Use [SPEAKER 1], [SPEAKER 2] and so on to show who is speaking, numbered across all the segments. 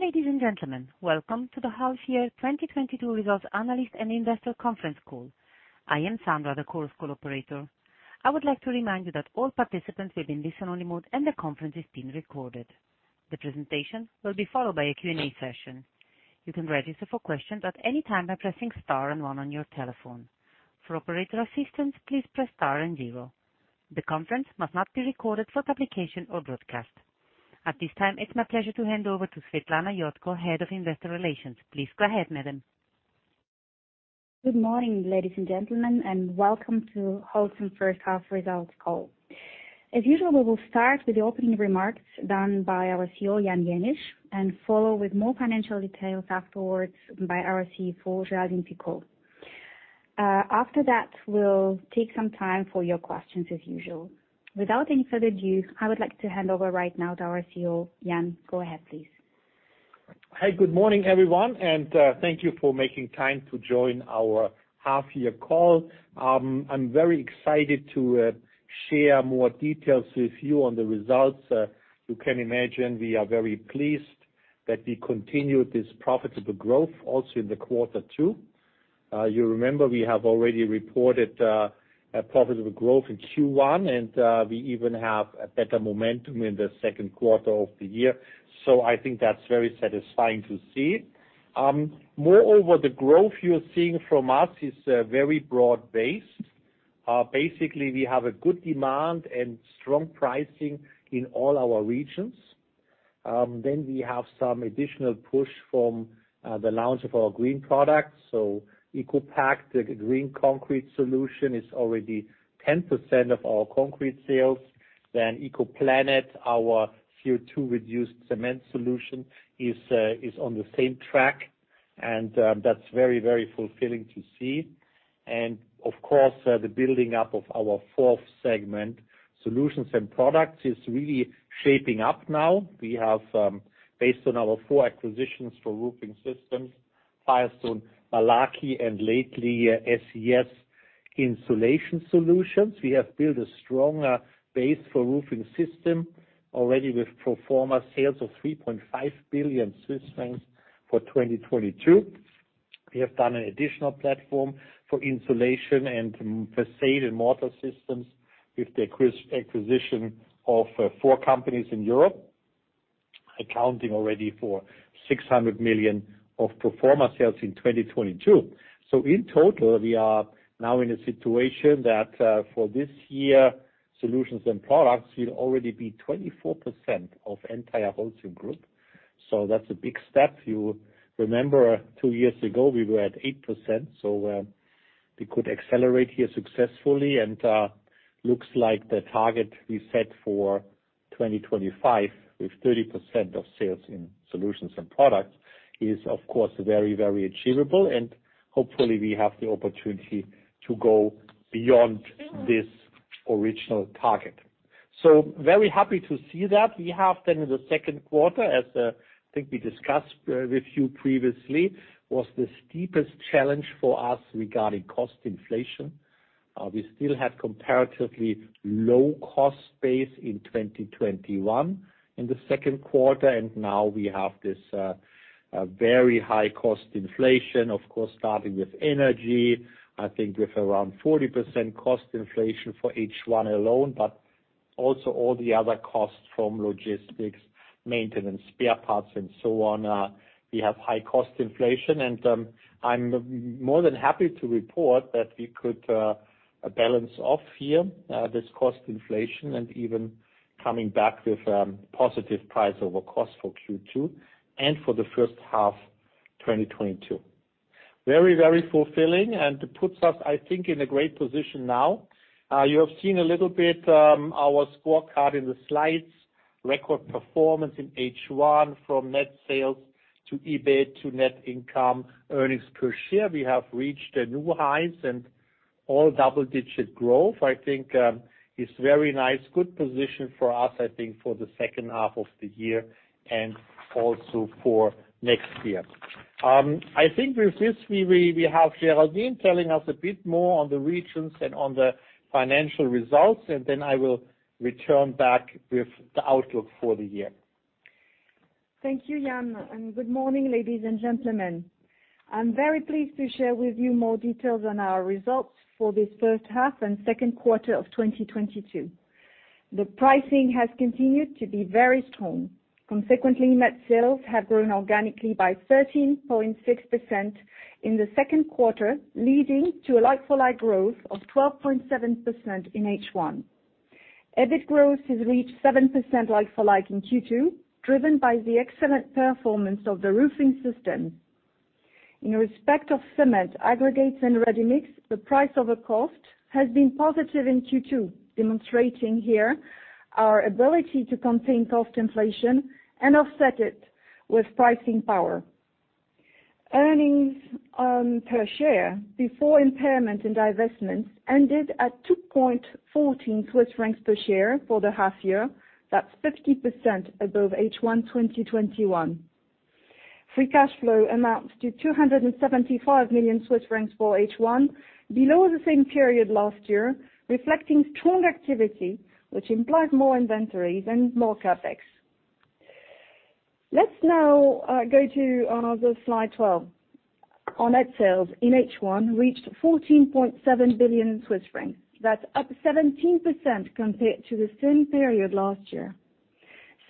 [SPEAKER 1] Ladies and gentlemen, welcome to The Half-Year 2022 Results Analyst and Investor Conference Call. I am Sandra, the Chorus Call operator. I would like to remind you that all participants will be in listen-only mode, and the conference is being recorded. The presentation will be followed by a Q&A session. You can register for questions at any time by pressing star and one on your telephone. For operator assistance, please press star and zero. The conference must not be recorded for publication or broadcast. At this time, it's my pleasure to hand over to Swetlana Iodko, Head of Investor Relations. Please go ahead, madam.
[SPEAKER 2] Good morning, ladies and gentlemen, and welcome to Holcim first half results call. As usual, we will start with the opening remarks done by our CEO, Jan Jenisch, and follow with more financial details afterwards by our CFO, Géraldine Picaud. After that, we'll take some time for your questions as usual. Without any further ado, I would like to hand over right now to our CEO, Jan. Go ahead, please.
[SPEAKER 3] Hi, good morning, everyone, and thank you for making time to join our half year call. I'm very excited to share more details with you on the results. You can imagine we are very pleased that we continued this profitable growth also in the quarter two. You remember we have already reported a profitable growth in Q1, and we even have a better momentum in the second quarter of the year. I think that's very satisfying to see. Moreover, the growth you're seeing from us is very broad-based. Basically, we have a good demand and strong pricing in all our regions. Then we have some additional push from the launch of our green products. ECOPact, the green concrete solution, is already 10% of our concrete sales. ECOPlanet, our CO2 reduced cement solution, is on the same track, and that's very fulfilling to see. Of course, the building up of our fourth segment, Solutions & Products, is really shaping up now. We have, based on our four acquisitions for roofing systems, Firestone, Malarkey, and lately, SES Foam. We have built a stronger base for roofing system already with pro forma sales of 3.5 billion Swiss francs for 2022. We have done an additional platform for insulation and facade and mortar systems with the acquisition of four companies in Europe, accounting already for 600 million of pro forma sales in 2022. In total, we are now in a situation that, for this year, Solutions & Products will already be 24% of entire Holcim Group. That's a big step. You remember two years ago, we were at 8%, so we could accelerate here successfully. Looks like the target we set for 2025 with 30% of sales in Solutions & Products is of course, very, very achievable, and hopefully we have the opportunity to go beyond this original target. Very happy to see that. We have then in the second quarter, as I think we discussed with you previously, was the steepest challenge for us regarding cost inflation. We still have comparatively low cost base in 2021 in the second quarter, and now we have this, very high cost inflation. Of course, starting with energy, I think with around 40% cost inflation for H1 alone, but also all the other costs from logistics, maintenance, spare parts, and so on. We have high cost inflation, and I'm more than happy to report that we could balance off here this cost inflation and even coming back with positive price over cost for Q2 and for the first half 2022. Very, very fulfilling and puts us, I think, in a great position now. You have seen a little bit our scorecard in the slides. Record performance in H1 from net sales to EBIT to net income, earnings per share. We have reached new highs and all double-digit growth. I think it's very nice, good position for us, I think for the second half of the year and also for next year. I think with this, we have Géraldine telling us a bit more on the regions and on the financial results, and then I will return back with the outlook for the year.
[SPEAKER 4] Thank you, Jan, and good morning, ladies and gentlemen. I'm very pleased to share with you more details on our results for this first half and second quarter of 2022. The pricing has continued to be very strong. Consequently, net sales have grown organically by 13.6% in the second quarter, leading to a like-for-like growth of 12.7% in H1. EBIT growth has reached 7% like for like in Q2, driven by the excellent performance of the roofing system. In respect of cement, aggregates, and ready-mix, the price over cost has been positive in Q2, demonstrating here our ability to contain cost inflation and offset it with pricing power. Earnings per share before impairment and divestments ended at 2.14 per share for the half year. That's 50% above H1 2021. Free cash flow amounts to 275 million Swiss francs for H1, below the same period last year, reflecting strong activity which implied more inventories and more CapEx. Let's now go to Slide 12. Our net sales in H1 reached 14.7 billion Swiss francs. That's up 17% compared to the same period last year.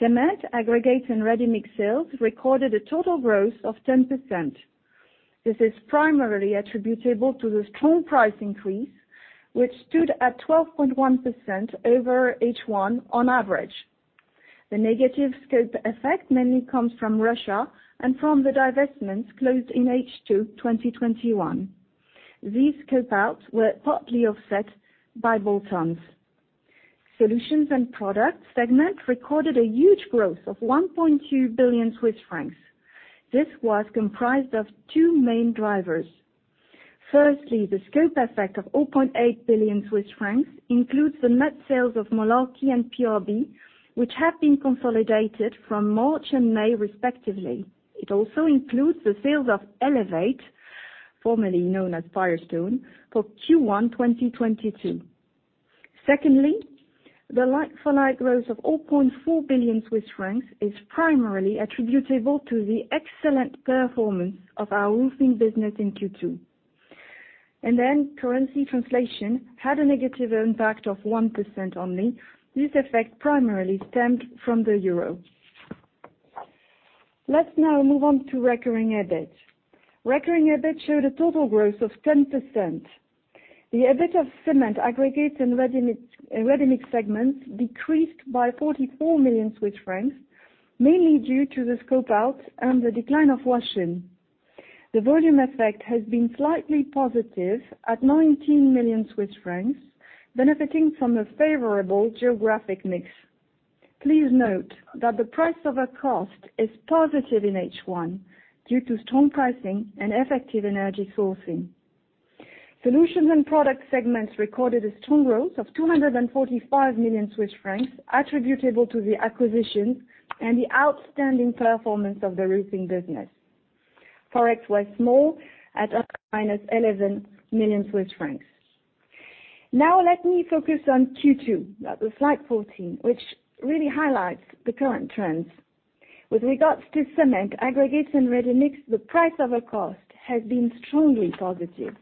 [SPEAKER 4] Cement, aggregates, and ready-mix sales recorded a total growth of 10%. This is primarily attributable to the strong price increase, which stood at 12.1% over H1 on average. The negative scope effect mainly comes from Russia and from the divestments closed in H2 2021. These scope outs were partly offset by bolt-ons. Solutions & Products segment recorded a huge growth of 1.2 billion Swiss francs. This was comprised of two main drivers. Firstly, the scope effect of 0.8 billion Swiss francs includes the net sales of Malarkey and PRB, which have been consolidated from March and May respectively. It also includes the sales of Elevate, formerly known as Firestone, for Q1 2022. Secondly, the like-for-like growth of 0.4 billion Swiss francs is primarily attributable to the excellent performance of our roofing business in Q2. Currency translation had a negative impact of 1% only. This effect primarily stemmed from the euro. Let's now move on to recurring EBIT. Recurring EBIT showed a total growth of 10%. The EBIT of cement aggregates and ready-mix segments decreased by 44 million Swiss francs, mainly due to the scope out and the decline of Russia. The volume effect has been slightly positive at 19 million Swiss francs, benefiting from a favorable geographic mix. Please note that the price over cost is positive in H1 due to strong pricing and effective energy sourcing. Solutions & Products segments recorded a strong growth of 245 million Swiss francs attributable to the acquisition and the outstanding performance of the roofing business. Forex was small at minus 11 million Swiss francs. Now let me focus on Q2, that was slide 14, which really highlights the current trends. With regards to cement, aggregates, and ready-mix, the price over cost has been strongly positive.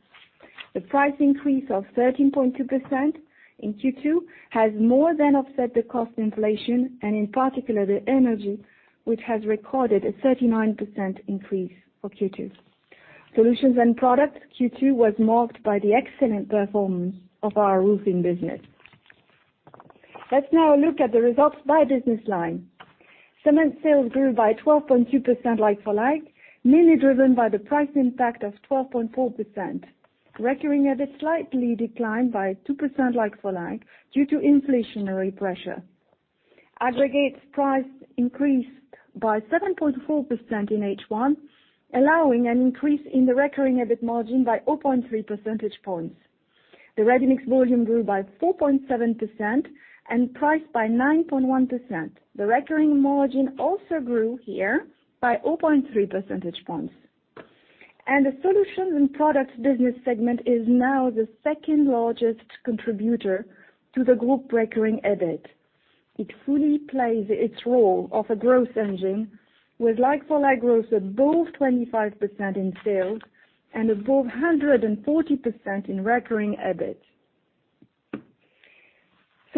[SPEAKER 4] The price increase of 13.2% in Q2 has more than offset the cost inflation, and in particular the energy, which has recorded a 39% increase for Q2. Solutions & Products Q2 was marked by the excellent performance of our roofing business. Let's now look at the results by business line. Cement sales grew by 12.2% like-for-like, mainly driven by the price impact of 12.4%. Recurring EBIT slightly declined by 2% like-for-like due to inflationary pressure. Aggregates price increased by 7.4% in H1, allowing an increase in the recurring EBIT margin by 0.3 percentage points. The ready-mix volume grew by 4.7% and priced by 9.1%. The recurring margin also grew here by 0.3 percentage points. The Solutions & Products business segment is now the second-largest contributor to the group recurring EBIT. It fully plays its role of a growth engine with like-for-like growth above 25% in sales and above 140% in recurring EBIT.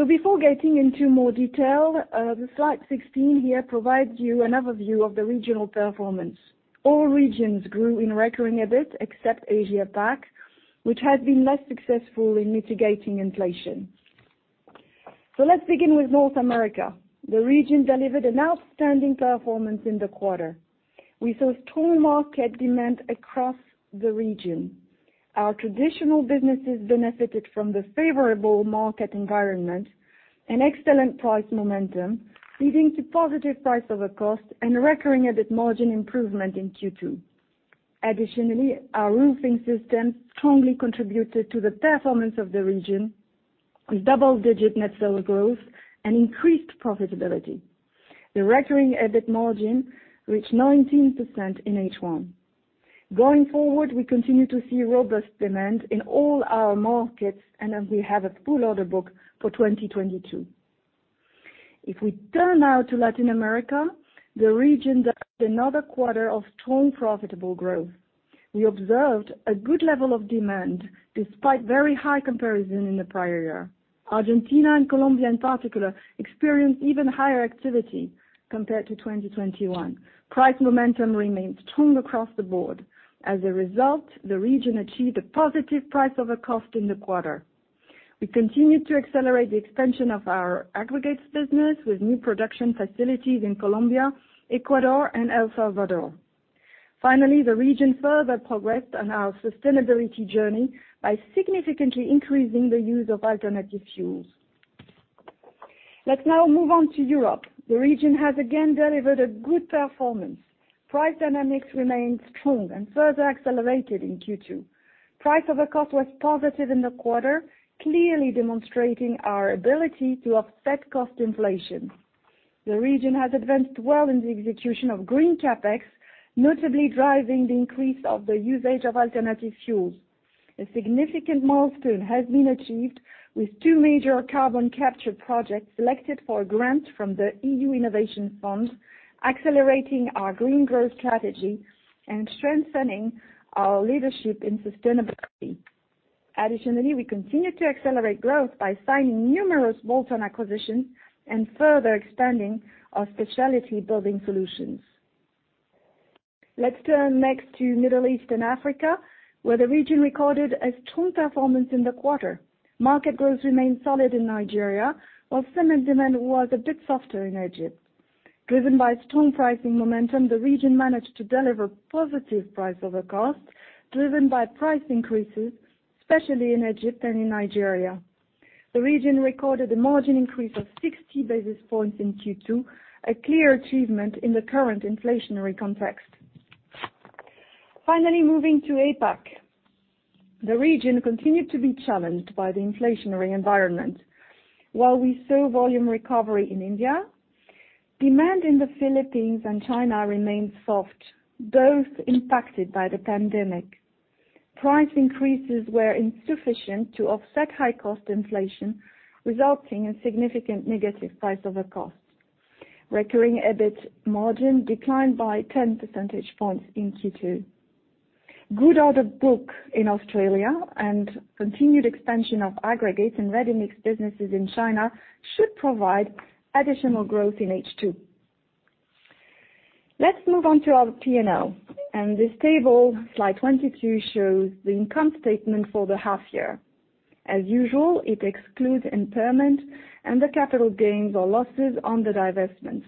[SPEAKER 4] Before getting into more detail, the slide 16 here provides you an overview of the regional performance. All regions grew in recurring EBIT except AsiaPac, which has been less successful in mitigating inflation. Let's begin with North America. The region delivered an outstanding performance in the quarter. We saw strong market demand across the region. Our traditional businesses benefited from the favorable market environment and excellent price momentum, leading to positive price over cost and recurring EBIT margin improvement in Q2. Additionally, our roofing system strongly contributed to the performance of the region with double-digit net sales growth and increased profitability. The recurring EBIT margin reached 19% in H1. Going forward, we continue to see robust demand in all our markets, and we have a full order book for 2022. If we turn now to Latin America, the region had another quarter of strong, profitable growth. We observed a good level of demand despite very high comparison in the prior year. Argentina and Colombia in particular experienced even higher activity compared to 2021. Price momentum remained strong across the board. As a result, the region achieved a positive price over cost in the quarter. We continued to accelerate the expansion of our aggregates business with new production facilities in Colombia, Ecuador, and El Salvador. Finally, the region further progressed on our sustainability journey by significantly increasing the use of alternative fuels. Let's now move on to Europe. The region has again delivered a good performance. Price dynamics remained strong and further accelerated in Q2. Price over cost was positive in the quarter, clearly demonstrating our ability to offset cost inflation. The region has advanced well in the execution of Green CapEx, notably driving the increase of the usage of alternative fuels. A significant milestone has been achieved with two major carbon capture projects selected for grants from the EU Innovation Fund, accelerating our green growth strategy and strengthening our leadership in sustainability. Additionally, we continue to accelerate growth by signing numerous bolt-on acquisitions and further expanding our specialty building solutions. Let's turn next to Middle East and Africa, where the region recorded a strong performance in the quarter. Market growth remained solid in Nigeria, while cement demand was a bit softer in Egypt. Driven by strong pricing momentum, the region managed to deliver positive price over cost, driven by price increases, especially in Egypt and in Nigeria. The region recorded a margin increase of 60 basis points in Q2, a clear achievement in the current inflationary context. Finally, moving to APAC. The region continued to be challenged by the inflationary environment. While we saw volume recovery in India, demand in the Philippines and China remained soft, both impacted by the pandemic. Price increases were insufficient to offset high cost inflation, resulting in significant negative price over cost. Recurring EBIT margin declined by 10 percentage points in Q2. Good order book in Australia and continued expansion of aggregates and ready-mix businesses in China should provide additional growth in H2. Let's move on to our P&L. This table, slide 22, shows the income statement for the half year. As usual, it excludes impairment and the capital gains or losses on the divestments.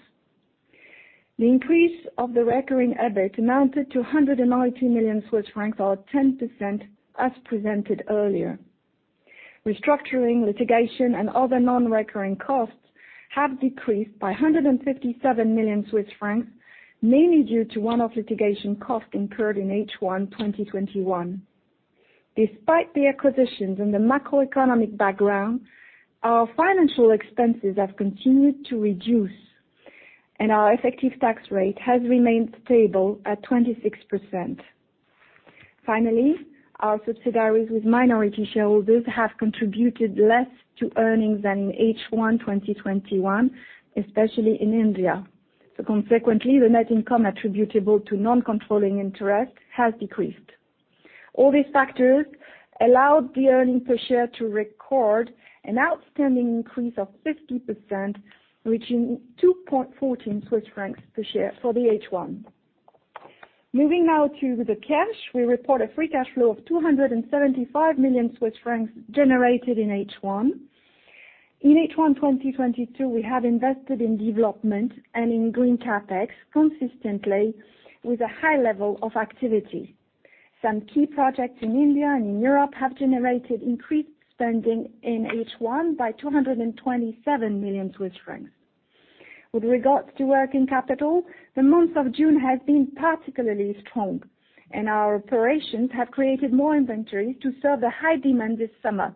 [SPEAKER 4] The increase of the recurring EBIT amounted to 190 million Swiss francs, or 10%, as presented earlier. Restructuring, litigation, and other non-recurring costs have decreased by 157 million Swiss francs, mainly due to one-off litigation costs incurred in H1 2021. Despite the acquisitions and the macroeconomic background, our financial expenses have continued to reduce, and our effective tax rate has remained stable at 26%. Finally, our subsidiaries with minority shareholders have contributed less to earnings than in H1 2021, especially in India. Consequently, the net income attributable to non-controlling interest has decreased. All these factors allowed the earnings per share to record an outstanding increase of 50%, reaching 2.14 Swiss francs per share for the H1. Moving now to the cash. We report a free cash flow of 275 million Swiss francs generated in H1. In H1 2022, we have invested in development and in Green CapEx consistently with a high level of activity. Some key projects in India and in Europe have generated increased spending in H1 by 227 million Swiss francs. With regards to working capital, the month of June has been particularly strong, and our operations have created more inventory to serve the high demand this summer.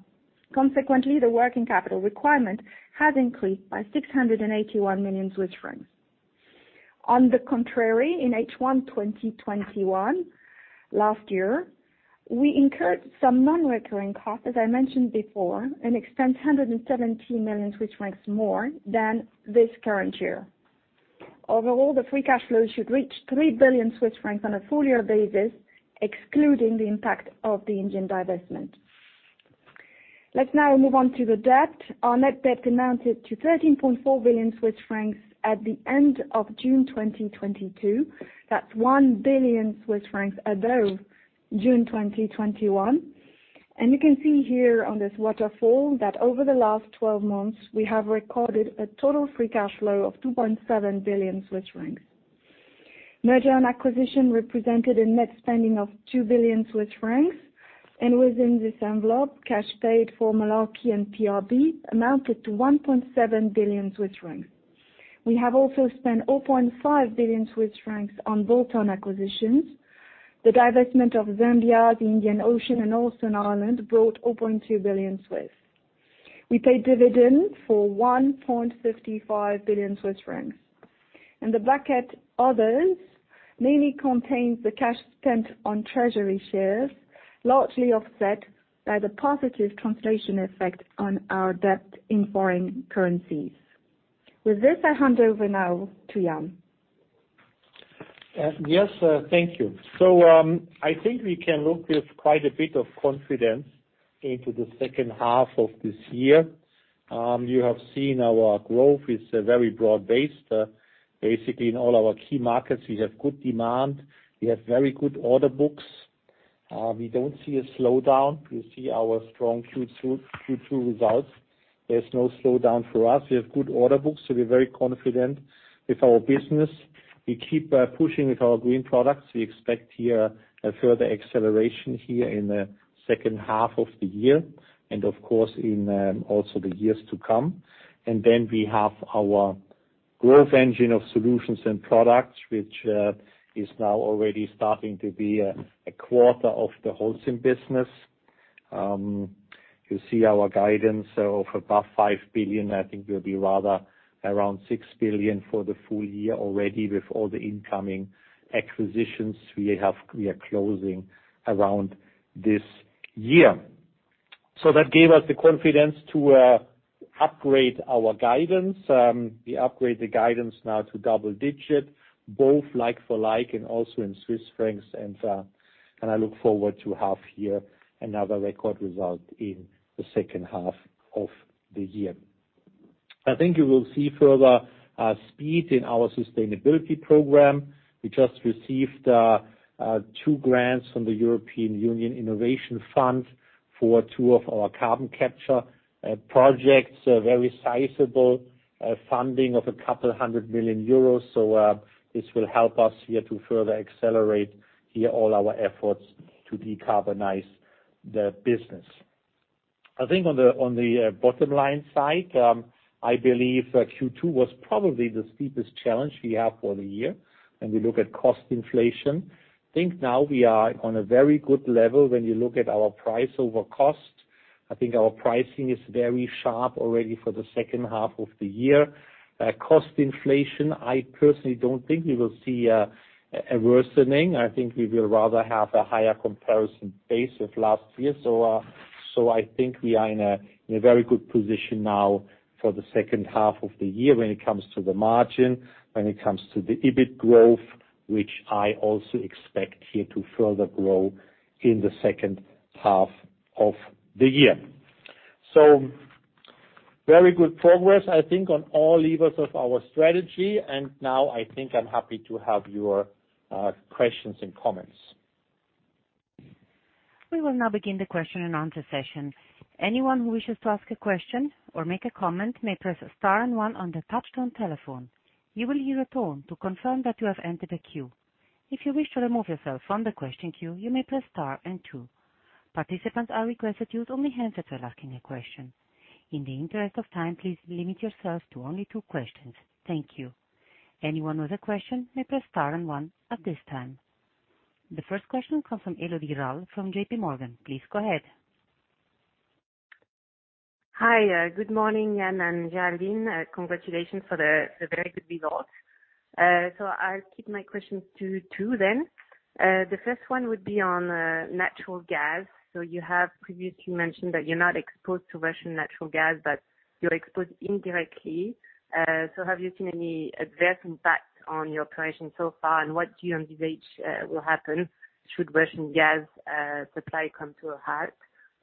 [SPEAKER 4] Consequently, the working capital requirement has increased by 681 million Swiss francs. On the contrary, in H1 2021 last year, we incurred some non-recurring costs, as I mentioned before, and spent 117 million more than this current year. Overall, the free cash flow should reach 3 billion Swiss francs on a full year basis, excluding the impact of the Indian divestment. Let's now move on to the debt. Our net debt amounted to 13.4 billion Swiss francs at the end of June 2022. That's 1 billion Swiss francs above June 2021. You can see here on this waterfall that over the last 12 months, we have recorded a total free cash flow of 2.7 billion Swiss francs. Merger and acquisition represented a net spending of 2 billion Swiss francs, and within this envelope, cash paid for Malarkey and PRB amounted to 1.7 billion Swiss francs. We have also spent 0.5 billion Swiss francs on bolt-on acquisitions. The divestment of Zambia, the Indian Ocean, and Northern Ireland brought in 2 billion. We paid dividend for 1.55 billion Swiss francs. In the bracket others, mainly contains the cash spent on treasury shares, largely offset by the positive translation effect on our debt in foreign currencies. With this, I hand over now to Jan.
[SPEAKER 3] Yes, thank you. I think we can look with quite a bit of confidence into the second half of this year. You have seen our growth is very broad-based. Basically, in all our key markets, we have good demand. We have very good order books. We don't see a slowdown. You see our strong Q2 results. There's no slowdown for us. We have good order books, so we're very confident with our business. We keep pushing with our green products. We expect here a further acceleration here in the second half of the year and, of course, in also the years to come. We have our growth engine of solutions and products, which is now already starting to be a quarter of the Holcim business. You see our guidance of above 5 billion. I think we'll be rather around 6 billion for the full year already with all the incoming acquisitions we are closing around this year. That gave us the confidence to upgrade our guidance. We upgrade the guidance now to double-digit, both like-for-like and also in Swiss francs. I look forward to have here another record result in the second half of the year. I think you will see further speed in our sustainability program. We just received two grants from the European Union Innovation Fund for two of our carbon capture projects, a very sizable funding of a couple hundred million EUR. This will help us here to further accelerate here all our efforts to decarbonize the business. I think on the bottom line side, I believe that Q2 was probably the steepest challenge we have for the year when we look at cost inflation. I think now we are on a very good level when you look at our price over cost. I think our pricing is very sharp already for the second half of the year. Cost inflation, I personally don't think we will see a worsening. I think we will rather have a higher comparison base with last year. I think we are in a very good position now for the second half of the year when it comes to the margin, when it comes to the EBIT growth, which I also expect here to further grow in the second half of the year. Very good progress, I think, on all levers of our strategy. Now I think I'm happy to have your questions and comments.
[SPEAKER 1] We will now begin the question and answer session. Anyone who wishes to ask a question or make a comment may press star and one on their touchtone telephone. You will hear a tone to confirm that you have entered a queue. If you wish to remove yourself from the question queue, you may press star and two. Participants are requested to use only handsets that are asking a question. In the interest of time, please limit yourselves to only two questions. Thank you. Anyone with a question may press star and one at this time. The first question comes from Elodie Rall from JPMorgan. Please go ahead.
[SPEAKER 5] Hi. Good morning, Jan and Géraldine. Congratulations for the very good result. I'll keep my questions to two then. The first one would be on natural gas. You have previously mentioned that you're not exposed to Russian natural gas, but you're exposed indirectly. Have you seen any adverse impact on your operations so far, and what do you envisage will happen should Russian gas supply come to a halt?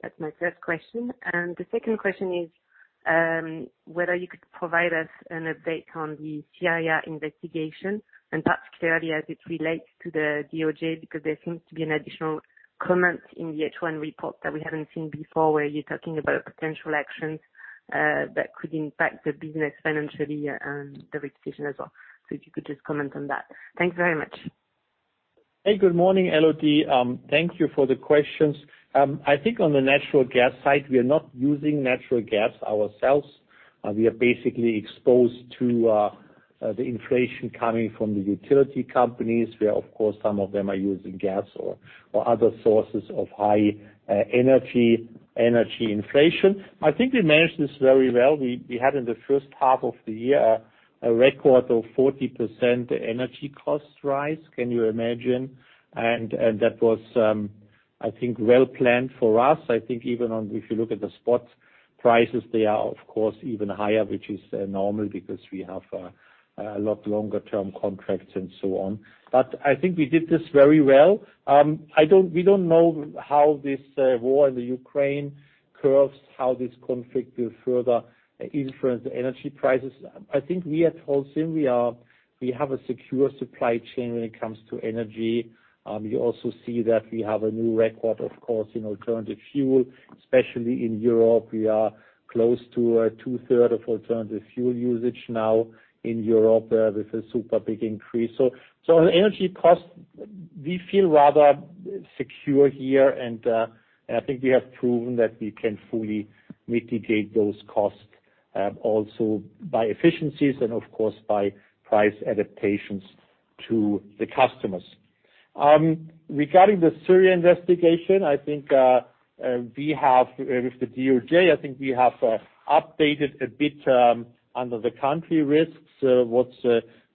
[SPEAKER 5] That's my first question. The second question is whether you could provide us an update on the Sika investigation, and particularly as it relates to the DOJ, because there seems to be an additional comment in the H1 report that we haven't seen before, where you're talking about potential actions that could impact the business financially and the risk provision as well. If you could just comment on that. Thanks very much.
[SPEAKER 3] Hey, good morning, Elodie. Thank you for the questions. I think on the natural gas side, we are not using natural gas ourselves. We are basically exposed to the inflation coming from the utility companies, where, of course, some of them are using gas or other sources of high energy inflation. I think we managed this very well. We had in the first half of the year a record of 40% energy cost rise. Can you imagine? That was, I think, well planned for us. I think even if you look at the spot prices, they are of course even higher, which is normal because we have a lot longer term contracts and so on. I think we did this very well. We don't know how this war in Ukraine evolves, how this conflict will further influence the energy prices. I think we at Holcim have a secure supply chain when it comes to energy. You also see that we have a new record, of course, in alternative fuel. Especially in Europe, we are close to two-thirds of alternative fuel usage now in Europe with a super big increase. On energy costs, we feel rather secure here. I think we have proven that we can fully mitigate those costs also by efficiencies and of course by price adaptations to the customers. Regarding the Syria investigation, I think we have with the DOJ updated a bit under the country risks, what's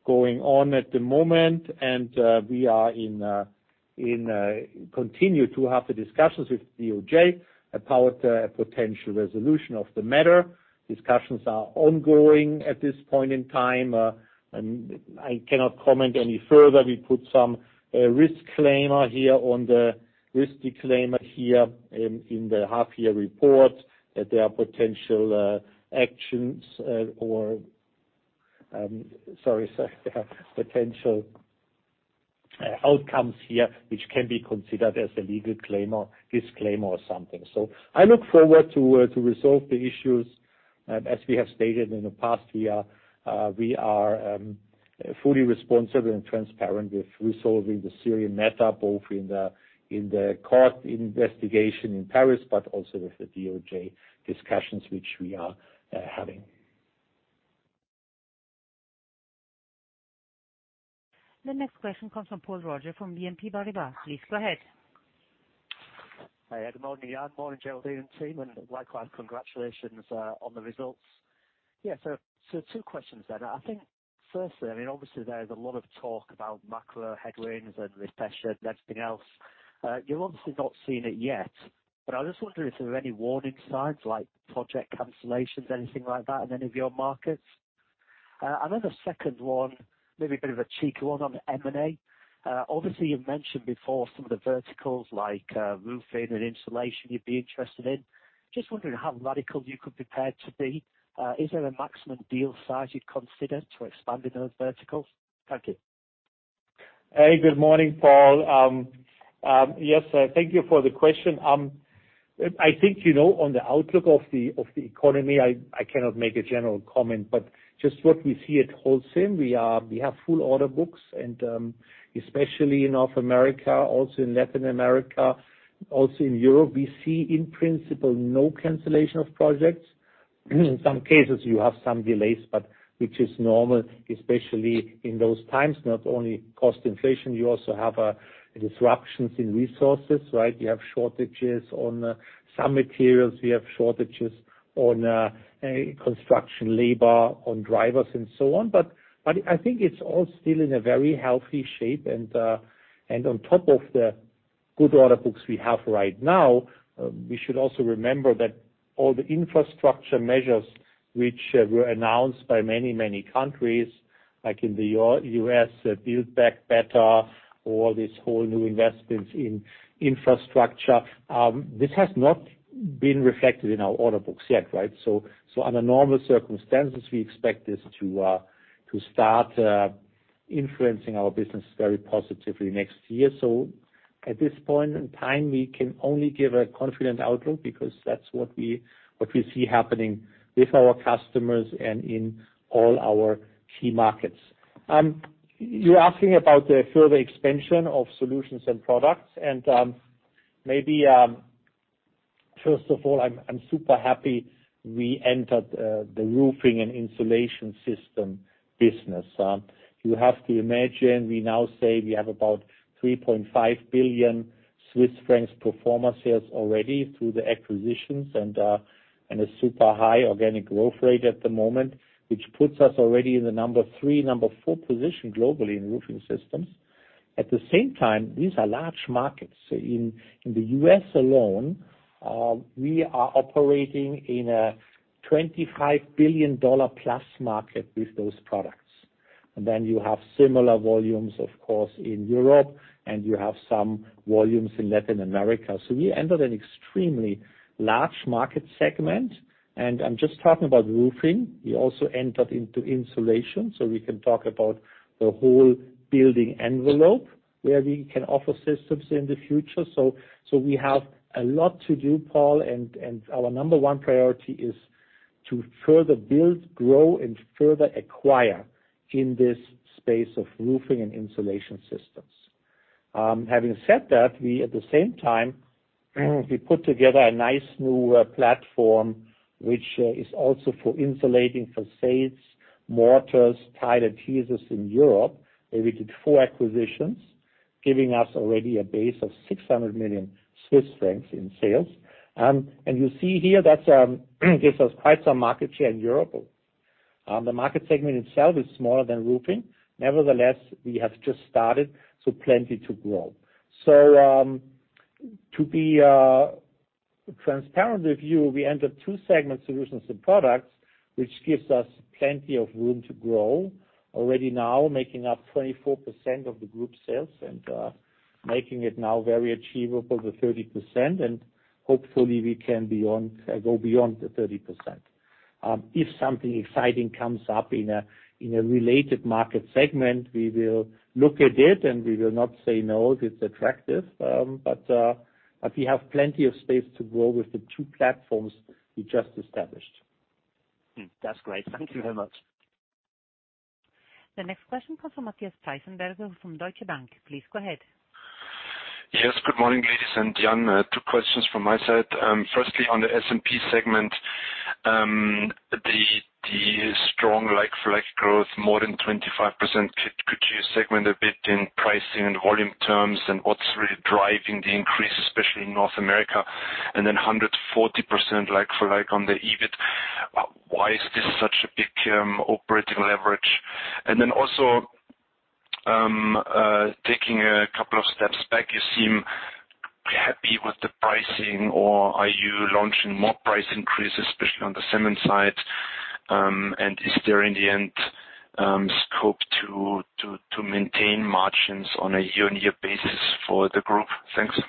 [SPEAKER 3] going on at the moment. We continue to have the discussions with DOJ about a potential resolution of the matter. Discussions are ongoing at this point in time, and I cannot comment any further. We put some risk disclaimer here on the risk disclaimer here in the half year report that there are potential actions or, sorry, potential outcomes here which can be considered as a legal disclaimer or something. I look forward to resolve the issues. As we have stated in the past year, we are fully responsive and transparent with resolving the Syrian matter, both in the court investigation in Paris but also with the DOJ discussions which we are having.
[SPEAKER 1] The next question comes from Paul Roger from BNP Paribas. Please go ahead.
[SPEAKER 6] Hi. Good morning, Jan. Morning, Géraldine and team, and likewise, congratulations on the results. Yeah, so two questions then. I think firstly, I mean, obviously there is a lot of talk about macro headwinds and inflation and everything else. You've obviously not seen it yet, but I was just wondering if there are any warning signs, like project cancellations, anything like that in any of your markets? And then the second one, maybe a bit of a cheeky one on M&A. Obviously you've mentioned before some of the verticals like roofing and insulation you'd be interested in. Just wondering how radical you could be prepared to be. Is there a maximum deal size you'd consider for expanding those verticals? Thank you.
[SPEAKER 3] Hey, good morning, Paul. Yes, thank you for the question. I think, you know, on the outlook of the economy, I cannot make a general comment, but just what we see at Holcim, we have full order books and, especially in North America, also in Latin America, also in Europe, we see in principle no cancellation of projects. In some cases you have some delays, but which is normal, especially in those times. Not only cost inflation, you also have disruptions in resources, right? You have shortages on some materials. We have shortages on construction labor, on drivers and so on. I think it's all still in a very healthy shape. On top of the good order books we have right now, we should also remember that all the infrastructure measures which were announced by many, many countries, like in the U.S., Build Back Better, or this whole new investments in infrastructure, this has not been reflected in our order books yet, right? Under normal circumstances, we expect this to start influencing our business very positively next year. At this point in time, we can only give a confident outlook because that's what we see happening with our customers and in all our key markets. You're asking about the further expansion of Solutions & Products and, maybe, first of all, I'm super happy we entered the roofing and insulation system business. You have to imagine we now say we have about 3.5 billion Swiss francs pro forma sales already through the acquisitions and a super high organic growth rate at the moment, which puts us already in the number three, number four position globally in roofing systems. At the same time, these are large markets. In the US alone, we are operating in a $25 billion plus market with those products. Then you have similar volumes, of course, in Europe, and you have some volumes in Latin America. We entered an extremely large market segment, and I'm just talking about roofing. We also entered into insulation, so we can talk about the whole building envelope where we can offer systems in the future. We have a lot to do, Paul. Our number one priority is to further build, grow, and further acquire in this space of roofing and insulation systems. Having said that, we, at the same time, put together a nice new platform which is also for insulating facades, mortars, tile adhesives in Europe, where we did four acquisitions, giving us already a base of 600 million Swiss francs in sales. You see here, that gives us quite some market share in Europe. The market segment itself is smaller than roofing. Nevertheless, we have just started, plenty to grow. To be transparent with you, we entered this segment, Solutions & Products, which gives us plenty of room to grow. Already now making up 24% of the group sales and making it now very achievable, the 30%, and hopefully we can go beyond the 30%. If something exciting comes up in a related market segment, we will look at it, and we will not say no if it's attractive. But we have plenty of space to grow with the two platforms we just established.
[SPEAKER 6] That's great. Thank you very much.
[SPEAKER 1] The next question comes from Matthias Pfeifenberger from Deutsche Bank. Please go ahead.
[SPEAKER 7] Yes, good morning, ladies and gentlemen. Two questions from my side. Firstly, on the Solutions & Products segment, the strong like-for-like growth, more than 25%. Could you segment a bit in pricing and volume terms and what's really driving the increase, especially in North America? Then hundred and forty percent like-for-like on the EBIT, why is this such a big operating leverage? Then also, taking a couple of steps back, you seem happy with the pricing or are you launching more price increases, especially on the cement side? And is there in the end scope to maintain margins on a year-on-year basis for the group? Thanks.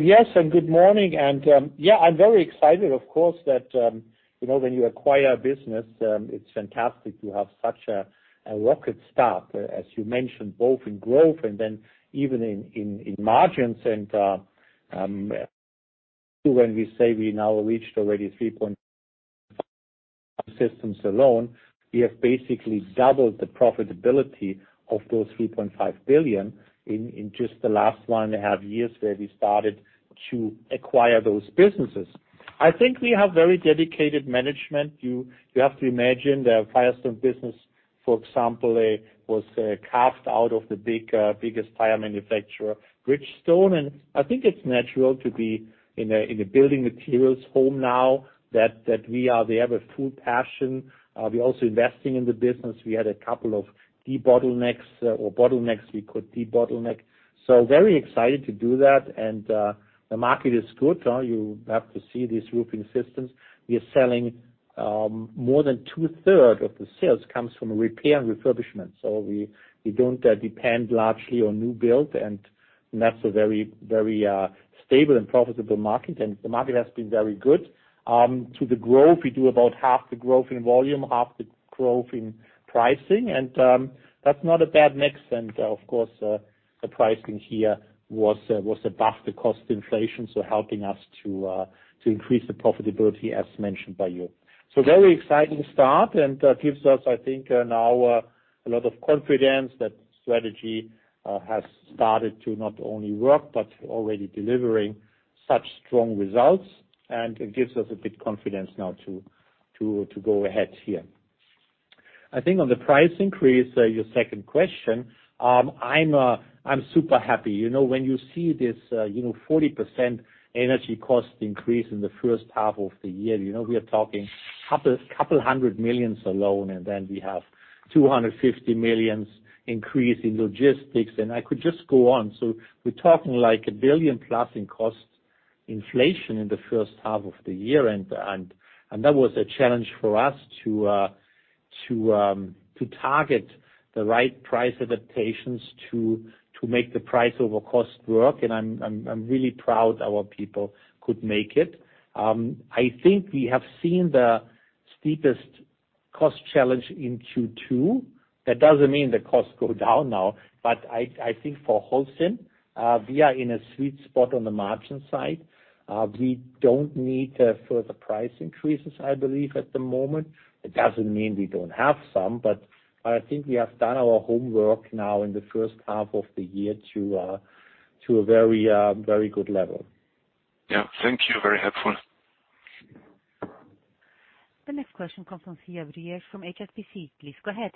[SPEAKER 3] Yes, good morning. I'm very excited of course that, you know, when you acquire a business, it's fantastic to have such a rocket start, as you mentioned, both in growth and then even in margins. When we say we now reached already 3.5 segments alone, we have basically doubled the profitability of those 3.5 billion in just the last 1.5 years where we started to acquire those businesses. I think we have very dedicated management. You have to imagine the Firestone business, for example, it was carved out of the biggest tire manufacturer, Bridgestone. I think it's natural to be in a building materials home now that they have a full passion. We're also investing in the business. We had a couple of debottlenecks or bottlenecks we could debottleneck. Very excited to do that, and the market is good. You have to see these roofing systems. We are selling more than two-thirds of the sales comes from repair and refurbishment. We don't depend largely on new build, and that's a very stable and profitable market. The market has been very good. To the growth, we do about half the growth in volume, half the growth in pricing, and that's not a bad mix. Of course, the pricing here was above the cost inflation, so helping us to increase the profitability as mentioned by you. Very exciting start, and that gives us, I think, now a lot of confidence that strategy has started to not only work, but already delivering such strong results. It gives us a bit confidence now to go ahead here. I think on the price increase, your second question, I'm super happy. You know, when you see this, you know, 40% energy cost increase in the first half of the year, you know, we are talking couple hundred million alone, and then we have 250 million increase in logistics, and I could just go on. We're talking like 1 billion plus in cost inflation in the first half of the year and that was a challenge for us to target the right price adaptations to make the price over cost work. I'm really proud our people could make it. I think we have seen the steepest cost challenge in Q2. That doesn't mean the costs go down now. I think for Holcim, we are in a sweet spot on the margin side. We don't need further price increases, I believe, at the moment. It doesn't mean we don't have some, but I think we have done our homework now in the first half of the year to a very good level.
[SPEAKER 8] Yeah. Thank you. Very helpful.
[SPEAKER 1] The next question comes from HSBC. Please go ahead.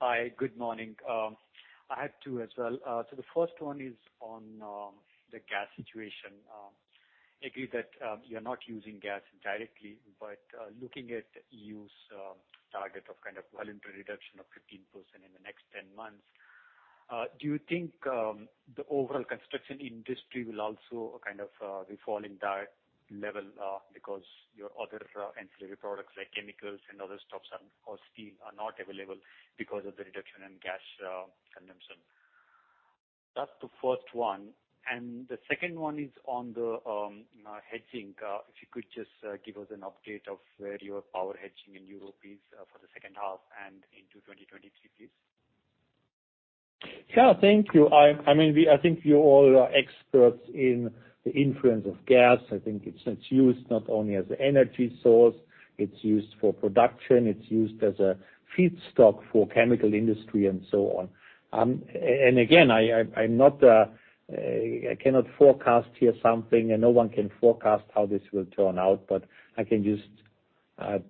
[SPEAKER 9] Hi, good morning. I have two as well. The first one is on the gas situation. Agree that you're not using gas directly, but looking at EU's target of kind of voluntary reduction of 15% in the next 10 months, do you think the overall construction industry will also kind of be following that level, because your other ancillary products like chemicals and other stuff or steel are not available because of the reduction in gas consumption? That's the first one. The second one is on the hedging. If you could just give us an update of where your power hedging in Europe is for the second half and into 2023, please.
[SPEAKER 3] Yeah, thank you. I mean, I think you all are experts in the influence of gas. I think it's used not only as energy source, it's used for production, it's used as a feedstock for chemical industry and so on. And again, I'm not, I cannot forecast here something, and no one can forecast how this will turn out, but I can just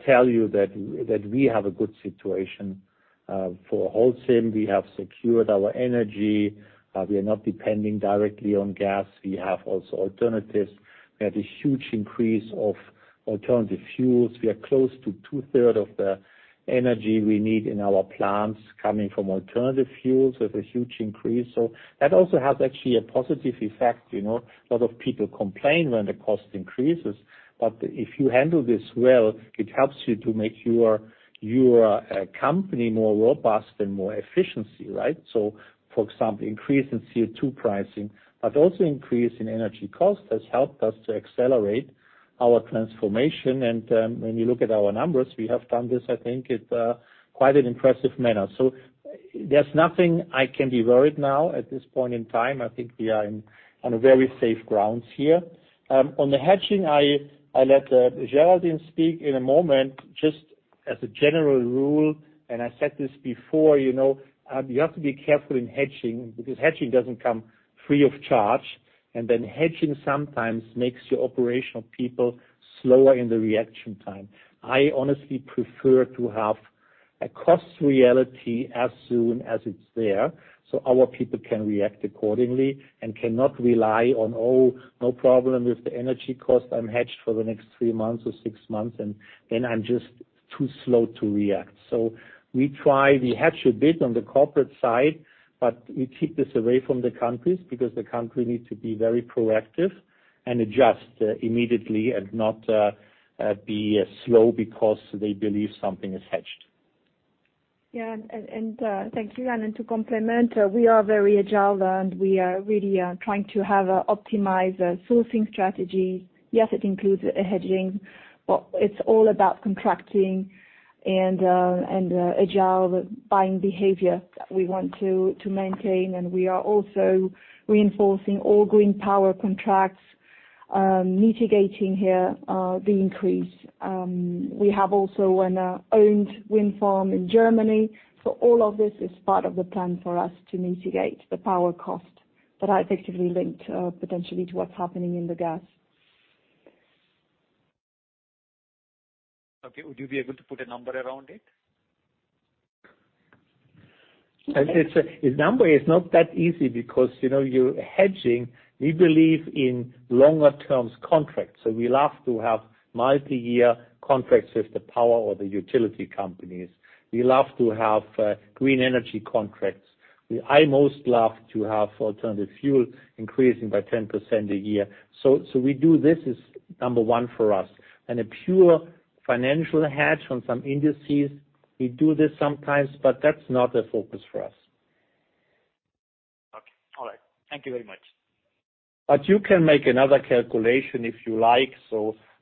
[SPEAKER 3] tell you that we have a good situation for Holcim. We have secured our energy. We are not depending directly on gas. We have also alternatives. We have a huge increase of alternative fuels. We are close to two-third of the energy we need in our plants coming from alternative fuels with a huge increase. That also has actually a positive effect, you know. A lot of people complain when the cost increases, but if you handle this well, it helps you to make your company more robust and more efficiency, right? For example, increase in CO2 pricing, but also increase in energy cost has helped us to accelerate our transformation. When you look at our numbers, we have done this, I think, in quite an impressive manner. There's nothing I can be worried now at this point in time. I think we are on a very safe grounds here. On the hedging, I let Géraldine speak in a moment. Just as a general rule, and I said this before, you know, you have to be careful in hedging because hedging doesn't come free of charge. Then hedging sometimes makes your operational people slower in the reaction time. I honestly prefer to have a cost reality as soon as it's there, so our people can react accordingly and cannot rely on, "Oh, no problem with the energy cost. I'm hedged for the next three months or six months," and then I'm just too slow to react. We try, we hedge a bit on the corporate side, but we keep this away from the countries because the country needs to be very proactive and adjust immediately and not be slow because they believe something is hedged.
[SPEAKER 4] Yeah. Thank you. To complement, we are very agile, and we are really trying to have an optimized sourcing strategy. Yes, it includes a hedging, but it's all about contracting and agile buying behavior that we want to maintain. We are also reinforcing all green power contracts, mitigating here the increase. We have also an owned wind farm in Germany. So all of this is part of the plan for us to mitigate the power cost that are effectively linked, potentially to what's happening in the gas.
[SPEAKER 10] Okay. Would you be able to put a number around it?
[SPEAKER 3] A number is not that easy because, you know, you're hedging. We believe in longer-term contracts, so we love to have multi-year contracts with the power or the utility companies. We love to have green energy contracts. I most love to have alternative fuel increasing by 10% a year. So we do this as number one for us. A pure financial hedge on some indices, we do this sometimes, but that's not a focus for us.
[SPEAKER 10] Okay. All right. Thank you very much.
[SPEAKER 3] You can make another calculation if you like.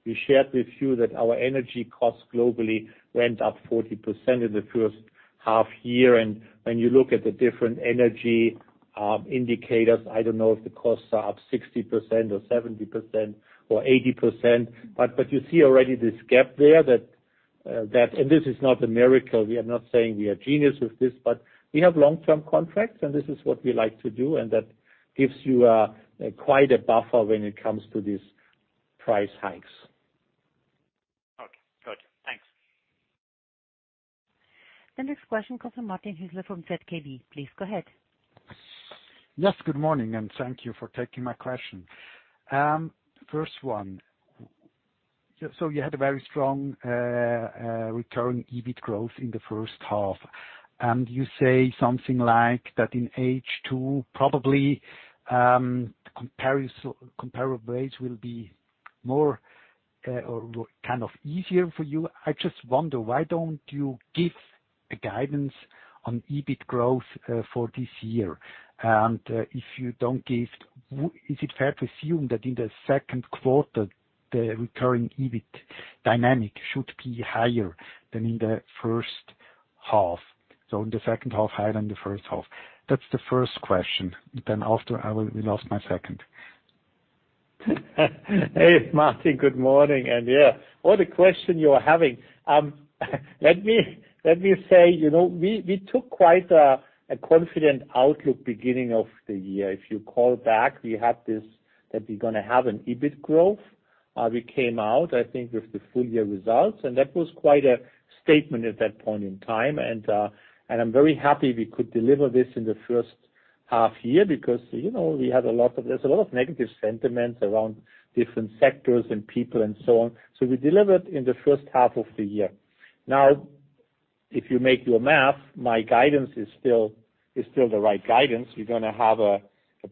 [SPEAKER 3] We shared with you that our energy costs globally went up 40% in the first half year. When you look at the different energy indicators, I don't know if the costs are up 60% or 70% or 80%. You see already this gap there that this is not a miracle. We are not saying we are genius with this. We have long-term contracts and this is what we like to do, and that gives you quite a buffer when it comes to these price hikes.
[SPEAKER 10] Okay. Good. Thanks.
[SPEAKER 1] The next question comes from Martin Hüsler from ZKB. Please go ahead.
[SPEAKER 11] Yes, good morning, and thank you for taking my question. First one. You had a very strong recurring EBIT growth in the first half, and you say something like that in H2, probably, the comparables will be more or kind of easier for you. I just wonder, why don't you give a guidance on EBIT growth for this year? And, if you don't give, is it fair to assume that in the second quarter, the recurring EBIT dynamic should be higher than in the first half? In the second half higher than the first half. That's the first question. After, I lost my second.
[SPEAKER 3] Hey, Martin, good morning. Yeah, what a question you are having. Let me say, you know, we took quite a confident outlook beginning of the year. If you call back, we had that we're gonna have an EBIT growth. We came out, I think, with the full year results, and that was quite a statement at that point in time. I'm very happy we could deliver this in the first half year because, you know, there's a lot of negative sentiments around different sectors and people and so on. We delivered in the first half of the year. Now, if you make your math, my guidance is still the right guidance. We're gonna have a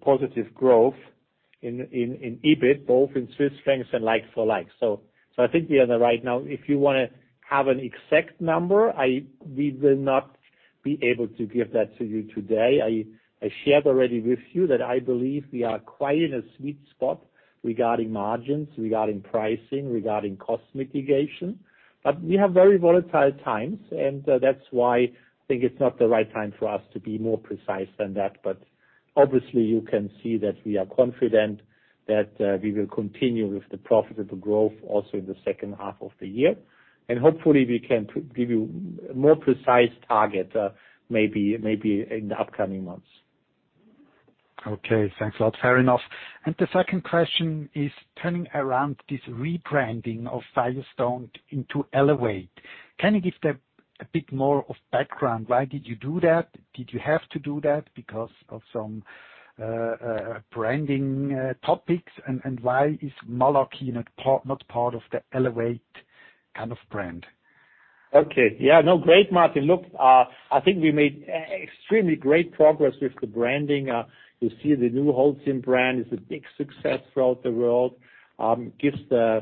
[SPEAKER 3] positive growth in EBIT, both in Swiss francs and like-for-like. I think we are on the right now. If you wanna have an exact number, we will not be able to give that to you today. I shared already with you that I believe we are quite in a sweet spot regarding margins, regarding pricing, regarding cost mitigation. We have very volatile times, and that's why I think it's not the right time for us to be more precise than that. Obviously you can see that we are confident that we will continue with the profitable growth also in the second half of the year. Hopefully we can give you more precise target, maybe in the upcoming months.
[SPEAKER 11] Okay. Thanks a lot. Fair enough. The second question is turning around this rebranding of Firestone into Elevate. Can you give a bit more of background? Why did you do that? Did you have to do that because of some branding topics? Why is Malarkey not part of the Elevate kind of brand?
[SPEAKER 3] Okay. Yeah. No, great, Martin. Look, I think we made extremely great progress with the branding. You see the new Holcim brand is a big success throughout the world. Gives the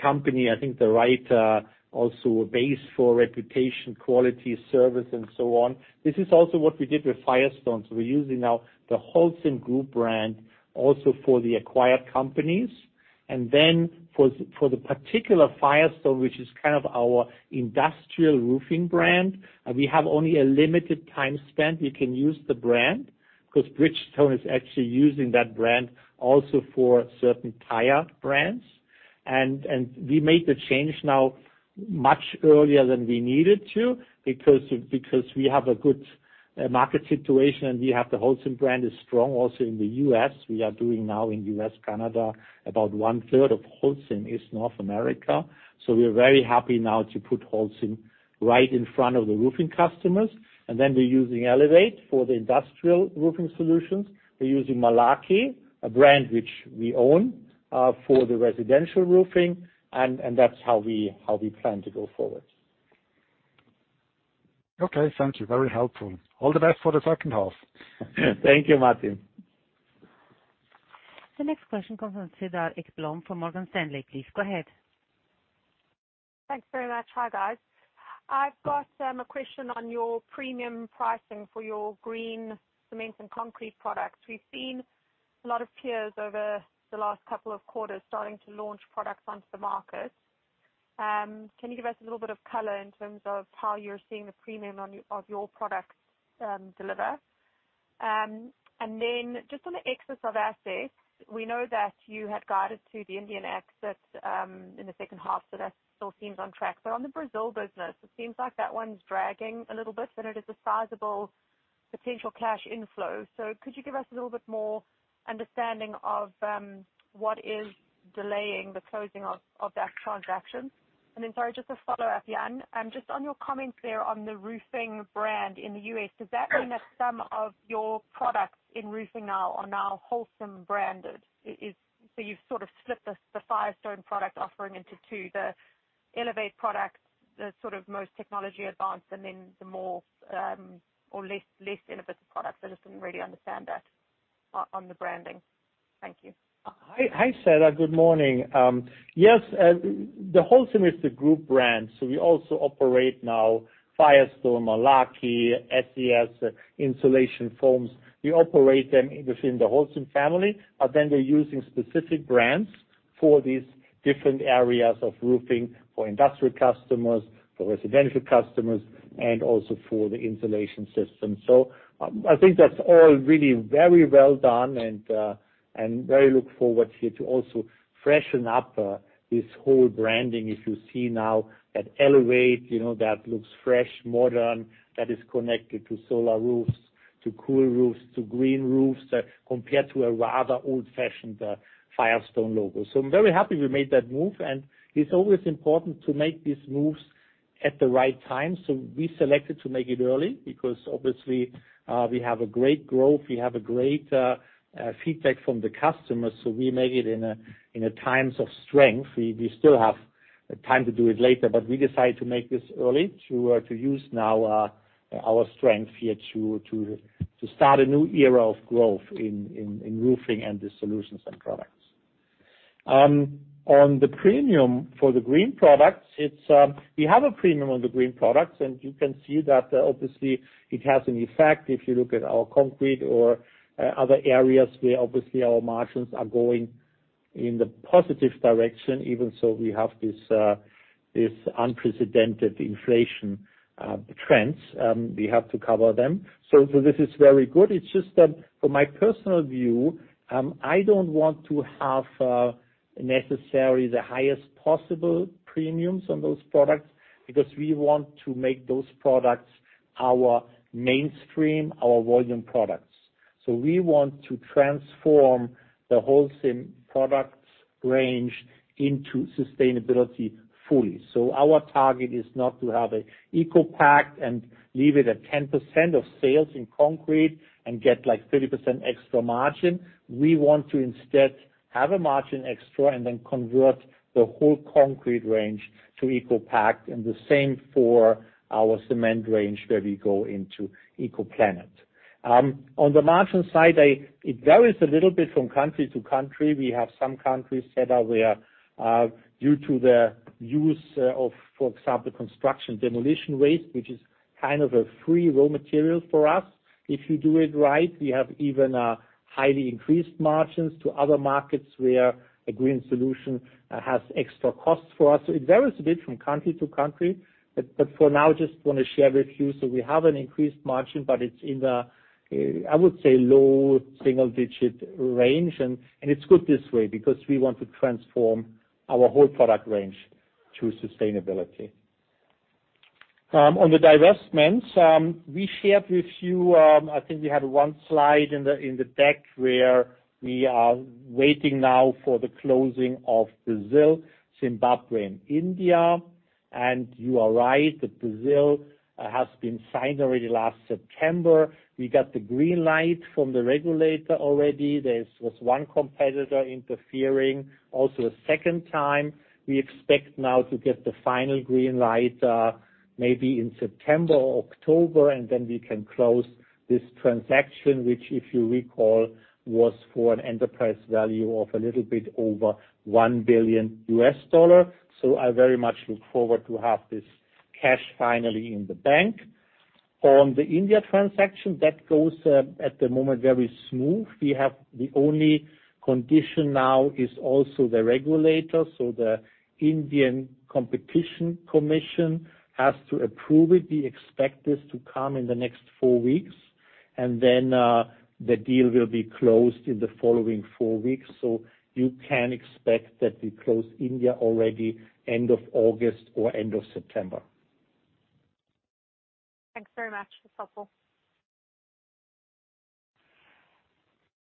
[SPEAKER 3] company, I think, the right also a base for reputation, quality, service, and so on. This is also what we did with Firestone. We're using now the Holcim Group brand also for the acquired companies. For the particular Firestone, which is kind of our industrial roofing brand, we have only a limited time span we can use the brand, because Bridgestone is actually using that brand also for certain tire brands. We made the change now much earlier than we needed to because we have a good market situation and we have the Holcim brand is strong also in the US. We are doing now in U.S., Canada. About 1/3 of Holcim is North America. We are very happy now to put Holcim right in front of the roofing customers. We're using Elevate for the industrial roofing solutions. We're using Malarkey, a brand which we own, for the residential roofing, and that's how we plan to go forward.
[SPEAKER 11] Okay, thank you. Very helpful. All the best for the second half.
[SPEAKER 3] Thank you, Martin.
[SPEAKER 1] The next question comes from Cedar Ekblom from Morgan Stanley. Please go ahead.
[SPEAKER 10] Thanks very much. Hi, guys. I've got a question on your premium pricing for your green cements and concrete products. We've seen a lot of peers over the last couple of quarters starting to launch products onto the market. Can you give us a little bit of color in terms of how you're seeing the premium on your products deliver? Just on the sale of assets, we know that you had guided to the Indian exit in the second half, so that still seems on track. On the Brazil business, it seems like that one's dragging a little bit, but it is a sizable potential cash inflows. Could you give us a little bit more understanding of what is delaying the closing of that transaction? Sorry, just a follow-up, Jan. Just on your comment there on the roofing brand in the US, does that mean that some of your products in roofing now are Holcim branded? So you've sort of split the Firestone product offering into two, the Elevate products, the sort of most technologically advanced, and then the more or less innovative products. I just didn't really understand that on the branding. Thank you.
[SPEAKER 3] Hi, Cedar Ekblom. Good morning. Yes, the Holcim is the group brand. We also operate now Firestone, Malarkey, SES, Insulation Foams. We operate them within the Holcim family, but then we're using specific brands for these different areas of roofing for industrial customers, for residential customers, and also for the insulation system. I think that's all really very well done and very look forward here to also freshen up this whole branding. If you see now that Elevate, you know, that looks fresh, modern, that is connected to solar roofs, to cool roofs, to green roofs, compared to a rather old-fashioned Firestone logo. I'm very happy we made that move, and it's always important to make these moves at the right time. We selected to make it early because obviously we have a great growth. We have great feedback from the customers, so we made it in a time of strength. We still have time to do it later, but we decided to make this early to use now our strength here to start a new era of growth in roofing and the Solutions & Products. On the premium for the green products, we have a premium on the green products, and you can see that obviously it has an effect if you look at our concrete or other areas where obviously our margins are going in the positive direction. Even so, we have this unprecedented inflationary trends. We have to cover them. This is very good. It's just that from my personal view, I don't want to have necessarily the highest possible premiums on those products because we want to make those products our mainstream, our volume products. We want to transform the Holcim products range into sustainability fully. Our target is not to have an ECOPact and leave it at 10% of sales in concrete and get like 30% extra margin. We want to instead have a margin extra and then convert the whole concrete range to ECOPact and the same for our cement range where we go into ECOPlanet. On the margin side, it varies a little bit from country to country. We have some countries, Cedar, where due to the use of, for example, construction and demolition waste, which is kind of a free raw material for us, if you do it right, we have even highly increased margins to other markets where a green solution has extra costs for us. It varies a bit from country to country, but for now, just wanna share with you. We have an increased margin, but it's in the low single-digit range, I would say, and it's good this way because we want to transform our whole product range to sustainability. On the divestments, we shared with you, I think we had one slide in the deck where we are waiting now for the closing of Brazil, Zimbabwe and India. You are right that Brazil has been signed already last September. We got the green light from the regulator already. There was one competitor interfering also a second time. We expect now to get the final green light, maybe in September or October, and then we can close this transaction, which if you recall, was for an enterprise value of a little bit over $1 billion. I very much look forward to have this cash finally in the bank. On the India transaction, that goes at the moment very smooth. We have the only condition now is also the regulator. The Competition Commission of India has to approve it. We expect this to come in the next 4 weeks, and then the deal will be closed in the following 4 weeks. You can expect that we close India already end of August or end of September.
[SPEAKER 10] Thanks very much. That's helpful.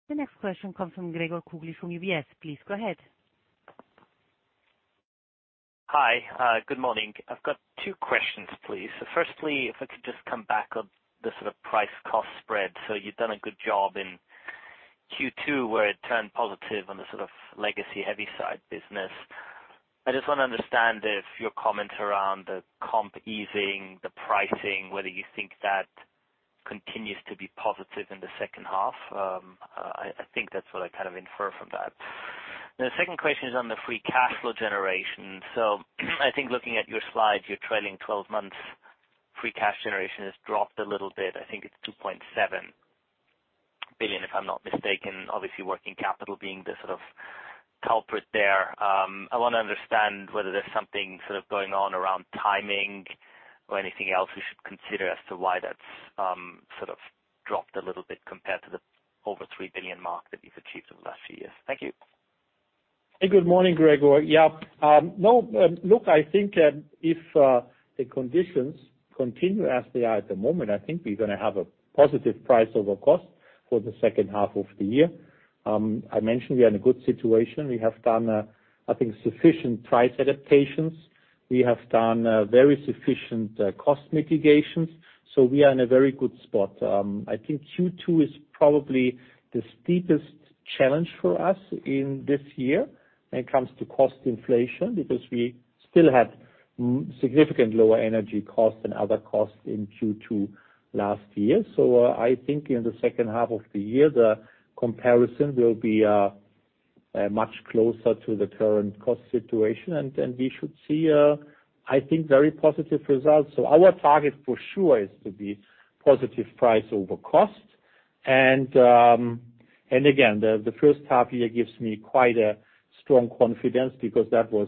[SPEAKER 1] The next question comes from Gregor Kuglitsch from UBS. Please go ahead.
[SPEAKER 12] Hi. Good morning. I've got two questions, please. Firstly, if I could just come back on the sort of price cost spread. You've done a good job in Q2, where it turned positive on the sort of legacy heavy side business. I just wanna understand if your comment around the comp easing, the pricing, whether you think that continues to be positive in the second half. I think that's what I kind of infer from that. The second question is on the free cash flow generation. I think looking at your slides, your trailing 12 months free cash generation has dropped a little bit. I think it's 2.7 billion, if I'm not mistaken. Obviously, working capital being the sort of culprit there. I wanna understand whether there's something sort of going on around timing or anything else we should consider as to why that's sort of dropped a little bit compared to the over 3 billion mark that you've achieved over the last few years. Thank you.
[SPEAKER 3] Hey, good morning, Gregor. Yeah. No, look, I think that if the conditions continue as they are at the moment, I think we're gonna have a positive price over cost for the second half of the year. I mentioned we are in a good situation. We have done, I think, sufficient price adaptations. We have done very sufficient cost mitigations. We are in a very good spot. I think Q2 is probably the steepest challenge for us in this year when it comes to cost inflation, because we still have significantly lower energy costs and other costs in Q2 last year. I think in the second half of the year, the comparison will be much closer to the current cost situation and we should see a, I think, very positive results. Our target for sure is to be positive price over cost and again, the first half year gives me quite a strong confidence because that was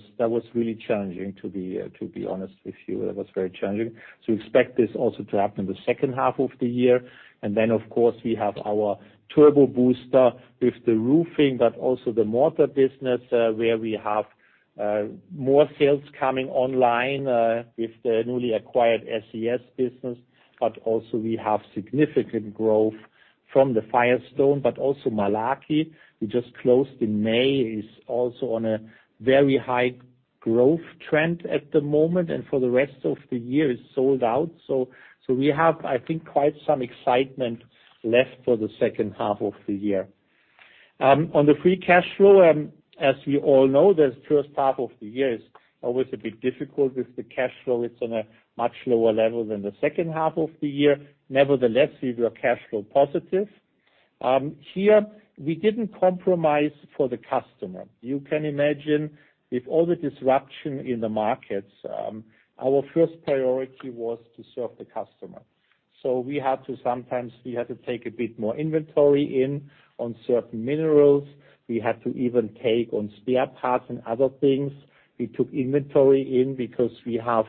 [SPEAKER 3] really challenging to be honest with you. That was very challenging. Expect this also to happen the second half of the year, and then of course we have our turbo booster with the roofing, but also the mortar business, where we have more sales coming online with the newly acquired SES business. We also have significant growth from the Firestone, but also Malarkey, we just closed in May, is also on a very high growth trend at the moment and for the rest of the year is sold out. We have, I think, quite some excitement left for the second half of the year. On the free cash flow, as we all know, the first half of the year is always a bit difficult with the cash flow. It's on a much lower level than the second half of the year. Nevertheless, we were cash flow positive. Here we didn't compromise for the customer. You can imagine with all the disruption in the markets, our first priority was to serve the customer. So we had to, sometimes we had to take a bit more inventory in on certain minerals. We had to even take on spare parts and other things. We took inventory in because we have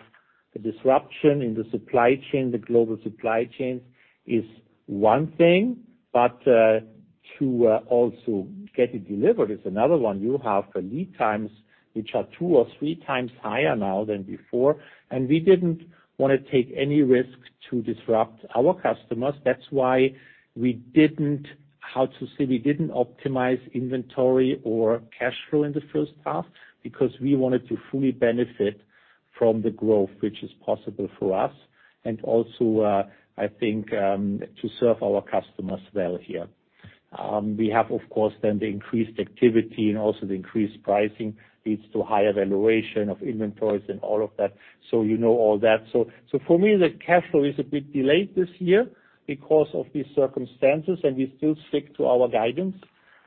[SPEAKER 3] the disruption in the supply chain. The global supply chain is one thing, but to also get it delivered is another one. You have lead times which are 2 or 3 times higher now than before, and we didn't wanna take any risks to disrupt our customers. That's why we didn't optimize inventory or cash flow in the first half, because we wanted to fully benefit from the growth which is possible for us and also, I think, to serve our customers well here. We have of course then the increased activity and also the increased pricing leads to higher valuation of inventories and all of that. You know all that. For me, the cash flow is a bit delayed this year because of these circumstances, and we still stick to our guidance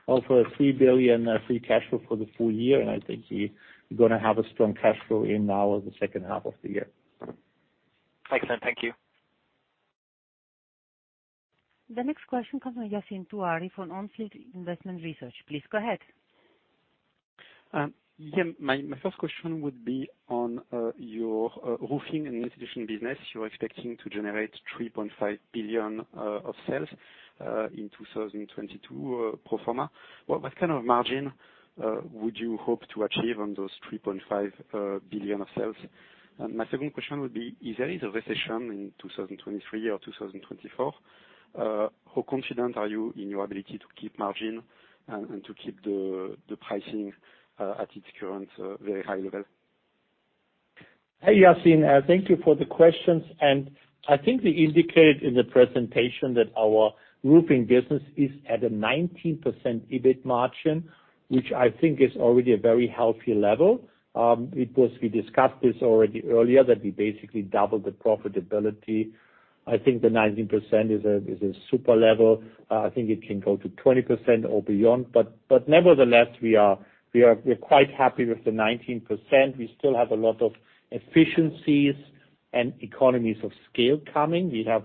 [SPEAKER 3] of 3 billion free cash flow for the full year. I think we're gonna have a strong cash flow in the second half of the year.
[SPEAKER 13] Excellent. Thank you.
[SPEAKER 1] The next question comes from Yassine Touahri from On Field Investment Research. Please go ahead.
[SPEAKER 13] Yeah, my first question would be on your roofing and insulation business. You're expecting to generate 3.5 billion of sales in 2022 pro forma. What kind of margin would you hope to achieve on those 3.5 billion of sales? My second question would be, if there is a recession in 2023 or 2024, how confident are you in your ability to keep margin and to keep the pricing at its current very high level?
[SPEAKER 3] Hey, Yassine, thank you for the questions. I think we indicated in the presentation that our roofing business is at a 19% EBIT margin, which I think is already a very healthy level. It was, we discussed this already earlier, that we basically doubled the profitability. I think the 19% is a, is a super level. I think it can go to 20% or beyond, but nevertheless, we're quite happy with the 19%. We still have a lot of efficiencies and economies of scale coming. We have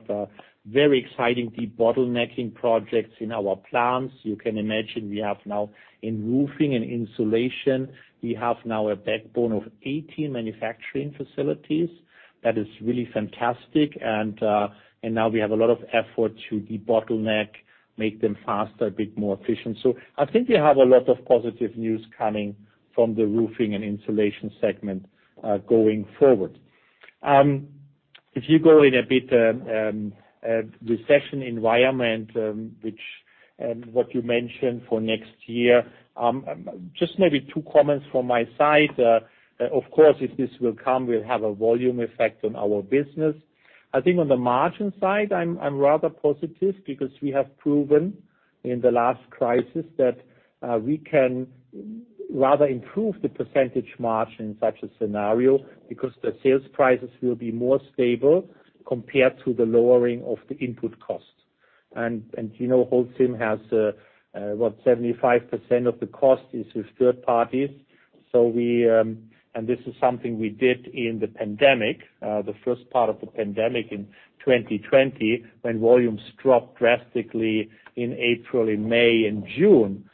[SPEAKER 3] very exciting debottlenecking projects in our plants. You can imagine we have now in roofing and insulation, we have now a backbone of 18 manufacturing facilities. That is really fantastic. Now we have a lot of effort to debottleneck, make them faster, a bit more efficient. I think we have a lot of positive news coming from the roofing and insulation segment going forward. If we go into a recession environment which you mentioned for next year, just maybe two comments from my side. Of course, if this will come, we'll have a volume effect on our business. I think on the margin side, I'm rather positive because we have proven in the last crisis that we can rather improve the percentage margin in such a scenario because the sales prices will be more stable compared to the lowering of the input costs. You know, Holcim has 75% of the cost is with third parties. This is something we did in the pandemic, the first part of the pandemic in 2020, when volumes dropped drastically in April, in May, and June,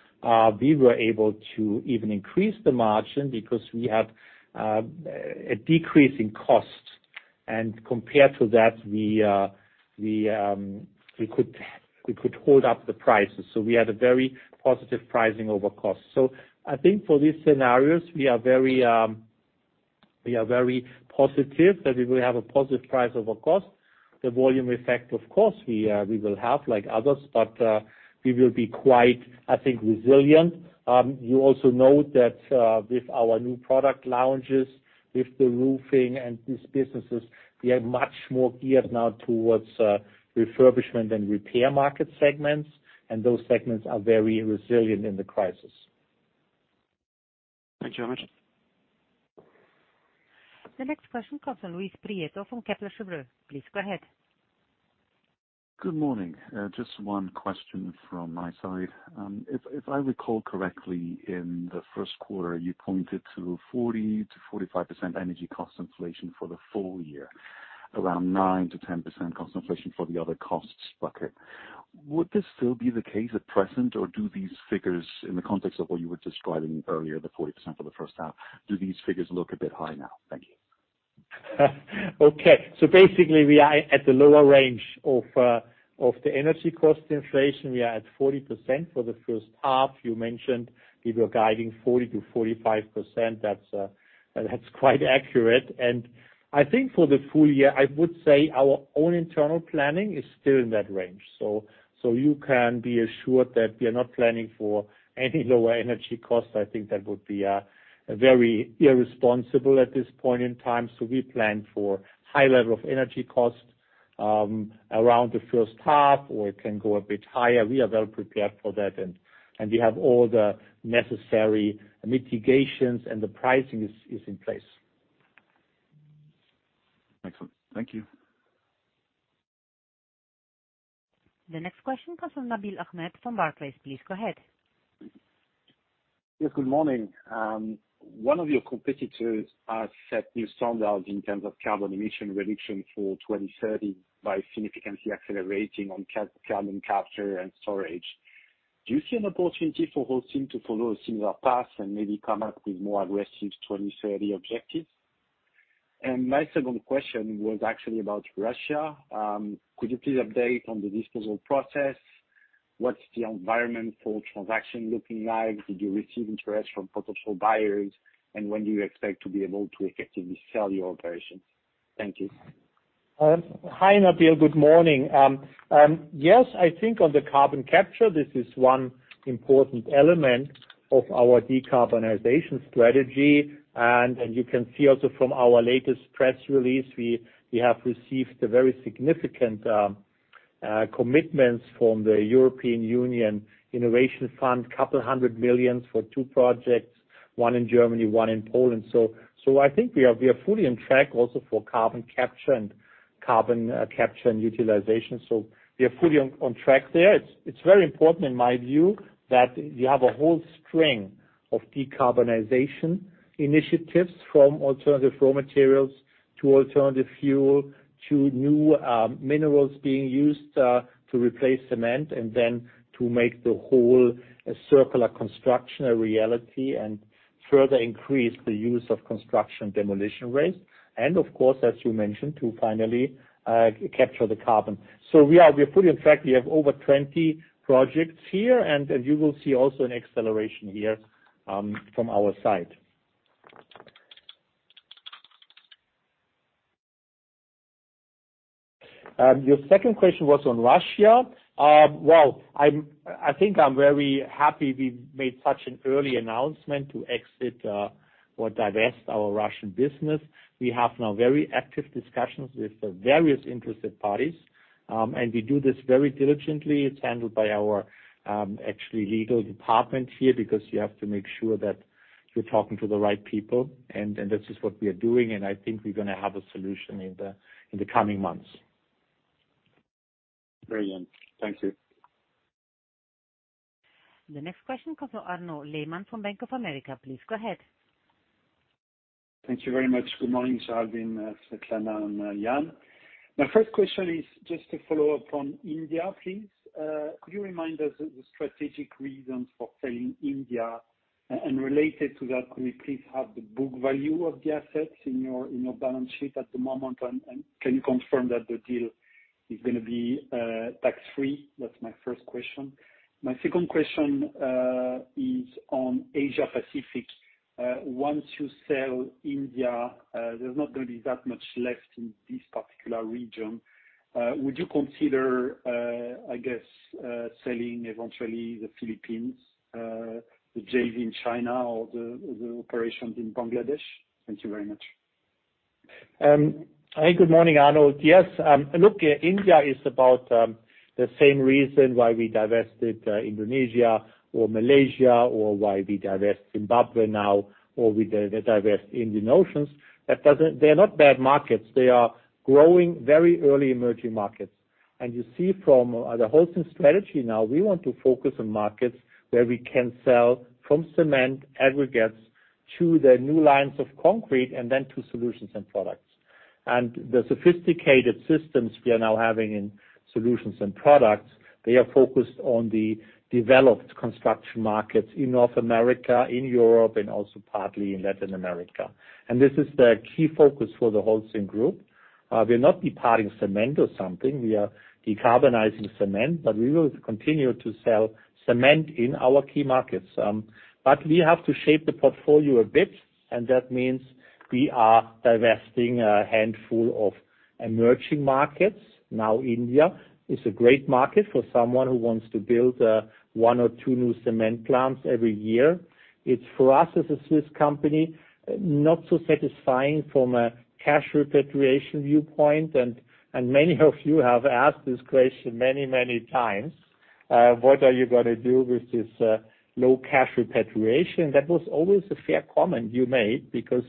[SPEAKER 3] we were able to even increase the margin because we had a decrease in costs. And compared to that, we could hold up the prices. We had a very positive price over cost. I think for these scenarios, we are very positive that we will have a positive price over cost. The volume effect, of course, we will have like others, but we will be quite, I think, resilient. You also know that with our new product launches, with the roofing and these businesses, we are much more geared now towards refurbishment and repair market segments, and those segments are very resilient in the crisis.
[SPEAKER 4] Thank you very much.
[SPEAKER 1] The next question comes from Luis Prieto from Kepler Cheuvreux. Please go ahead.
[SPEAKER 8] Good morning. Just one question from my side. If I recall correctly, in the first quarter, you pointed to 40%-45% energy cost inflation for the full year, around 9%-10% cost inflation for the other costs bucket. Would this still be the case at present, or do these figures, in the context of what you were describing earlier, the 40% for the first half, do these figures look a bit high now? Thank you.
[SPEAKER 3] Okay. Basically, we are at the lower range of the energy cost inflation. We are at 40% for the first half. You mentioned we were guiding 40%-45%. That's quite accurate. I think for the full year, I would say our own internal planning is still in that range. You can be assured that we are not planning for any lower energy costs. I think that would be very irresponsible at this point in time. We plan for high level of energy costs around the first half, or it can go a bit higher. We are well prepared for that, and we have all the necessary mitigations and the pricing is in place.
[SPEAKER 8] Excellent. Thank you.
[SPEAKER 1] The next question comes from Nabil Ahmed from Barclays. Please go ahead.
[SPEAKER 14] Yes, good morning. One of your competitors has set new standards in terms of carbon emission reduction for 2030 by significantly accelerating on carbon capture and storage. Do you see an opportunity for Holcim to follow a similar path and maybe come up with more aggressive 2030 objectives? My second question was actually about Russia. Could you please update on the disposal process? What's the environment for transaction looking like? Did you receive interest from potential buyers? When do you expect to be able to effectively sell your operations? Thank you.
[SPEAKER 3] Hi, Nabil. Good morning. Yes, I think on the carbon capture, this is one important element of our decarbonization strategy. You can see also from our latest press release, we have received very significant commitments from the European Union Innovation Fund, 200 million for two projects, one in Germany, one in Poland. I think we are fully on track also for carbon capture and utilization. We are fully on track there. It's very important in my view that we have a whole string of decarbonization initiatives from alternative raw materials to alternative fuel to new minerals being used to replace cement and then to make the whole circular construction a reality and further increase the use of construction and demolition waste. Of course, as you mentioned, to finally capture the carbon. We're fully on track. We have over 20 projects here, and you will see also an acceleration here from our side. Your second question was on Russia. Well, I think I'm very happy we made such an early announcement to exit or divest our Russian business. We have now very active discussions with various interested parties, and we do this very diligently. It's handled by our actually legal department here because you have to make sure that you're talking to the right people. This is what we are doing, and I think we're gonna have a solution in the coming months.
[SPEAKER 14] Brilliant. Thank you.
[SPEAKER 1] The next question comes from Arnaud Lehmann from Bank of America. Please go ahead.
[SPEAKER 15] Thank you very much. Good morning, Géraldine Picaud, Svetlana Jotko, and Jan Jenisch. My first question is just a follow-up on India, please. Could you remind us of the strategic reasons for selling India? And related to that, could we please have the book value of the assets in your balance sheet at the moment? And can you confirm that the deal is gonna be tax-free? That's my first question. My second question is on Asia Pacific. Once you sell India, there's not gonna be that much left in this particular region. Would you consider, I guess, selling eventually the Philippines, the JV in China or the operations in Bangladesh? Thank you very much.
[SPEAKER 3] Hi. Good morning, Arnaud. Yes, look, India is about the same reason why we divested Indonesia or Malaysia or why we divest Zimbabwe now, or we divest Indian Oceans. That doesn't. They're not bad markets. They are growing very early emerging markets. You see from the Holcim strategy now, we want to focus on markets where we can sell from cement aggregates to the new lines of concrete and then to Solutions and Products. The sophisticated systems we are now having in Solutions and Products, they are focused on the developed construction markets in North America, in Europe, and also partly in Latin America. This is the key focus for the Holcim Group. We'll not be parting cement or something. We are decarbonizing cement, but we will continue to sell cement in our key markets. We have to shape the portfolio a bit, and that means we are divesting a handful of emerging markets. Now, India is a great market for someone who wants to build, one or two new cement plants every year. It's for us, as a Swiss company, not so satisfying from a cash repatriation viewpoint. Many of you have asked this question many, many times, what are you gonna do with this, low cash repatriation? That was always a fair comment you made because,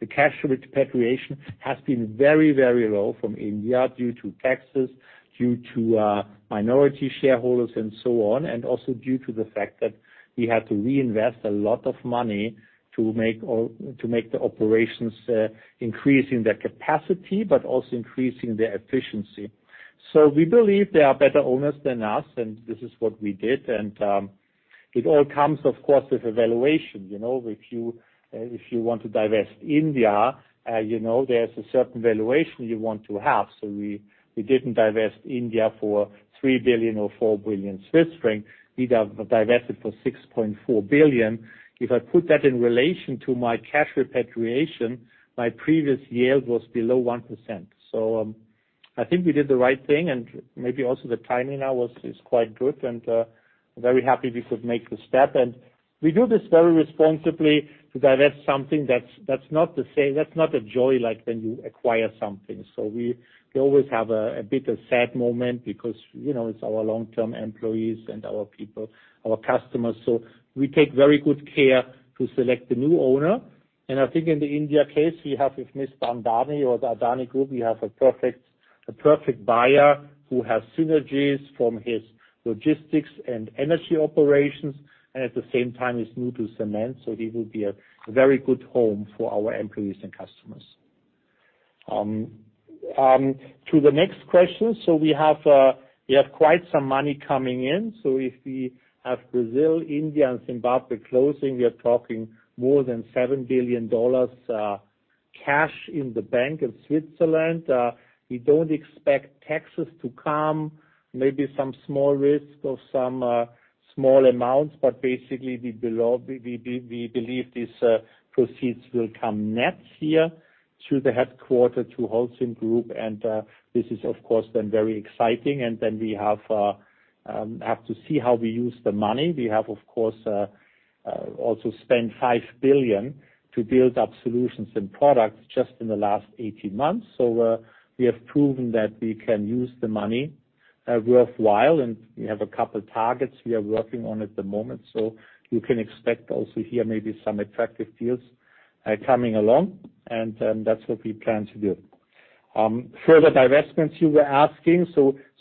[SPEAKER 3] the cash repatriation has been very, very low from India due to taxes, due to, minority shareholders and so on, and also due to the fact that we had to reinvest a lot of money to make the operations increase in their capacity, but also increasing their efficiency. We believe there are better owners than us, and this is what we did. It all comes, of course, with valuation. If you want to divest India, there's a certain valuation you want to have. We didn't divest India for 3 billion or 4 billion Swiss franc. We divested for 6.4 billion. If I put that in relation to my cash repatriation, my previous year was below 1%. I think we did the right thing and maybe also the timing now is quite good and very happy we could make the step. We do this very responsibly to divest something that's not the same, that's not a joy like when you acquire something. We always have a bit of sad moment because, you know, it's our long-term employees and our people, our customers. We take very good care to select the new owner. I think in the India case, we have with Mr. Adani or the Adani Group, we have a perfect buyer who has synergies from his logistics and energy operations and at the same time is new to cement, so he will be a very good home for our employees and customers. To the next question. We have quite some money coming in. If we have Brazil, India and Zimbabwe closing, we are talking more than $7 billion cash in the bank in Switzerland. We don't expect taxes to come, maybe some small risk of some small amounts, but basically, we believe these proceeds will come net here to the headquarters, to Holcim Group. This is, of course, then very exciting. We have to see how we use the money. We have, of course, also spent 5 billion to build up Solutions & Products just in the last 18 months. We have proven that we can use the money worthwhile, and we have a couple targets we are working on at the moment. You can expect also here maybe some attractive deals coming along, and that's what we plan to do. Further divestments you were asking.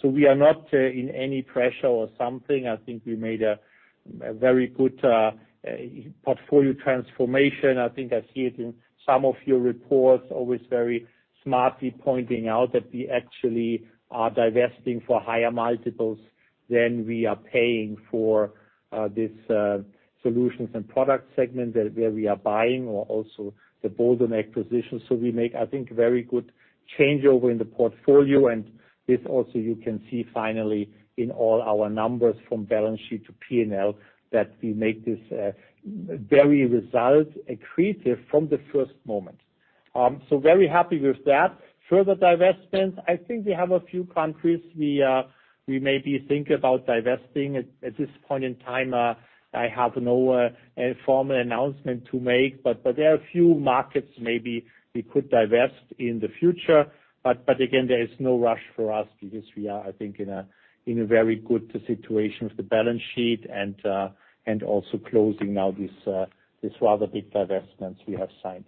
[SPEAKER 3] We are not in any pressure or something. I think we made a very good portfolio transformation. I think I see it in some of your reports, always very smartly pointing out that we actually are divesting for higher multiples than we are paying for this Solutions & Products segment where we are buying or also the bolt-on acquisition. We make, I think, very good changeover in the portfolio, and this also you can see finally in all our numbers from balance sheet to P&L, that we make this very result accretive from the first moment. Very happy with that. Further divestments, I think we have a few countries we maybe think about divesting. At this point in time, I have no formal announcement to make, but there are a few markets maybe we could divest in the future. Again, there is no rush for us because we are, I think, in a very good situation with the balance sheet and also closing now this rather big divestments we have signed.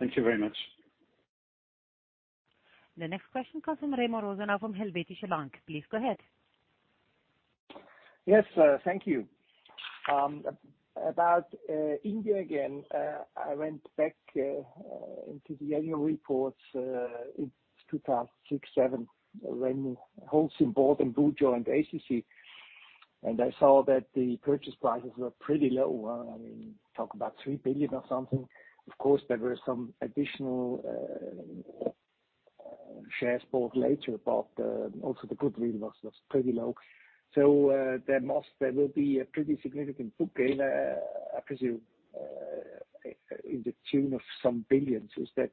[SPEAKER 15] Thank you very much.
[SPEAKER 1] The next question comes from Remo Rosenau from Helvetische Bank. Please go ahead.
[SPEAKER 16] Yes, thank you. About India again, I went back into the annual reports in 2006-2007, when Holcim bought into ACC, and I saw that the purchase prices were pretty low. I mean, talk about 3 billion or something. Of course, there were some additional shares bought later, but also the goodwill was pretty low. There will be a pretty significant book gain, I presume, in the tune of some billions. Is that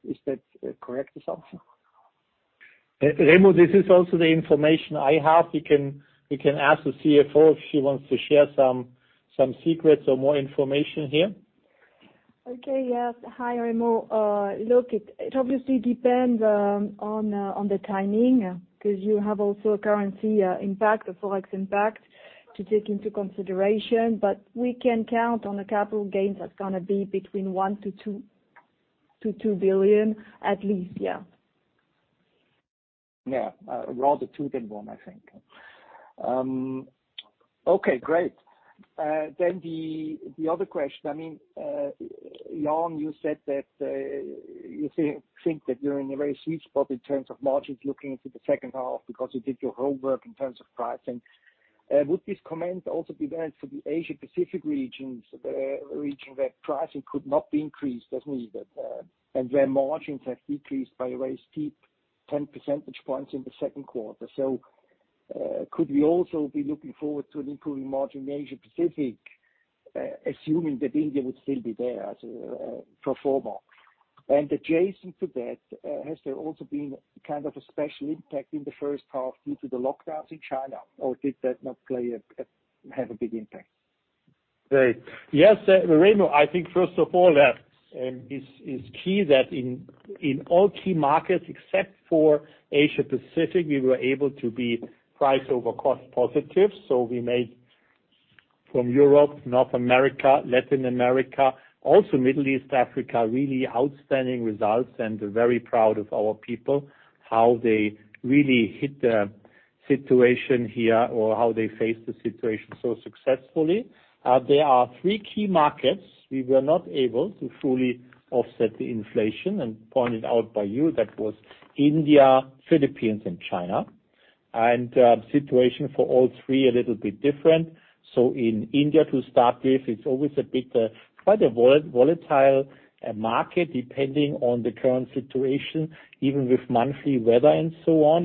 [SPEAKER 16] correct or something?
[SPEAKER 3] Remo, this is also the information I have. We can ask the CFO if she wants to share some secrets or more information here.
[SPEAKER 4] Okay, yes. Hi, Remo. Look, it obviously depends on the timing, because you have also a currency impact, a Forex impact to take into consideration. We can count on a capital gain that's gonna be between 1 billion to 2 billion at least. Yeah.
[SPEAKER 16] Rather two than one, I think. Okay, great. Then the other question, I mean, Jan, you said that you think that you're in a very sweet spot in terms of margins looking into the second half because you did your homework in terms of pricing. Would this comment also be valid for the Asia Pacific region where pricing could not be increased as needed, and where margins have decreased by a very steep 10 percentage points in the second quarter? Could we also be looking forward to an improving margin in Asia Pacific, assuming that India would still be there as a pro forma? Adjacent to that, has there also been kind of a special impact in the first half due to the lockdowns in China, or did that not have a big impact?
[SPEAKER 3] Great. Yes, Remo Rosenau, I think first of all, is key that in all key markets, except for Asia Pacific, we were able to be price over cost positive. We made from Europe, North America, Latin America, also Middle East, Africa, really outstanding results and very proud of our people, how they really hit the situation here or how they faced the situation so successfully. There are three key markets we were not able to fully offset the inflation, and pointed out by you, that was India, Philippines, and China. Situation for all three, a little bit different. In India to start with, it's always a bit quite a volatile market depending on the current situation, even with monthly weather and so on.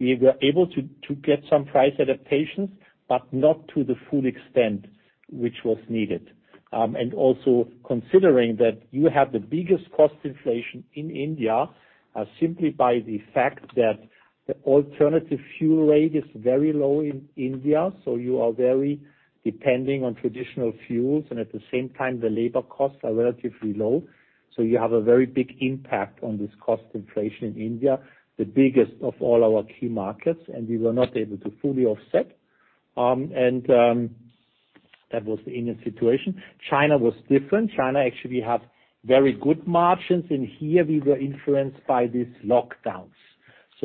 [SPEAKER 3] We were able to get some price adaptations, but not to the full extent which was needed. Also considering that you have the biggest cost inflation in India, simply by the fact that the alternative fuel rate is very low in India, so you are very depending on traditional fuels, and at the same time, the labor costs are relatively low. You have a very big impact on this cost inflation in India, the biggest of all our key markets, and we were not able to fully offset. That was the India situation. China was different. China actually have very good margins. Indeed we were influenced by these lockdowns.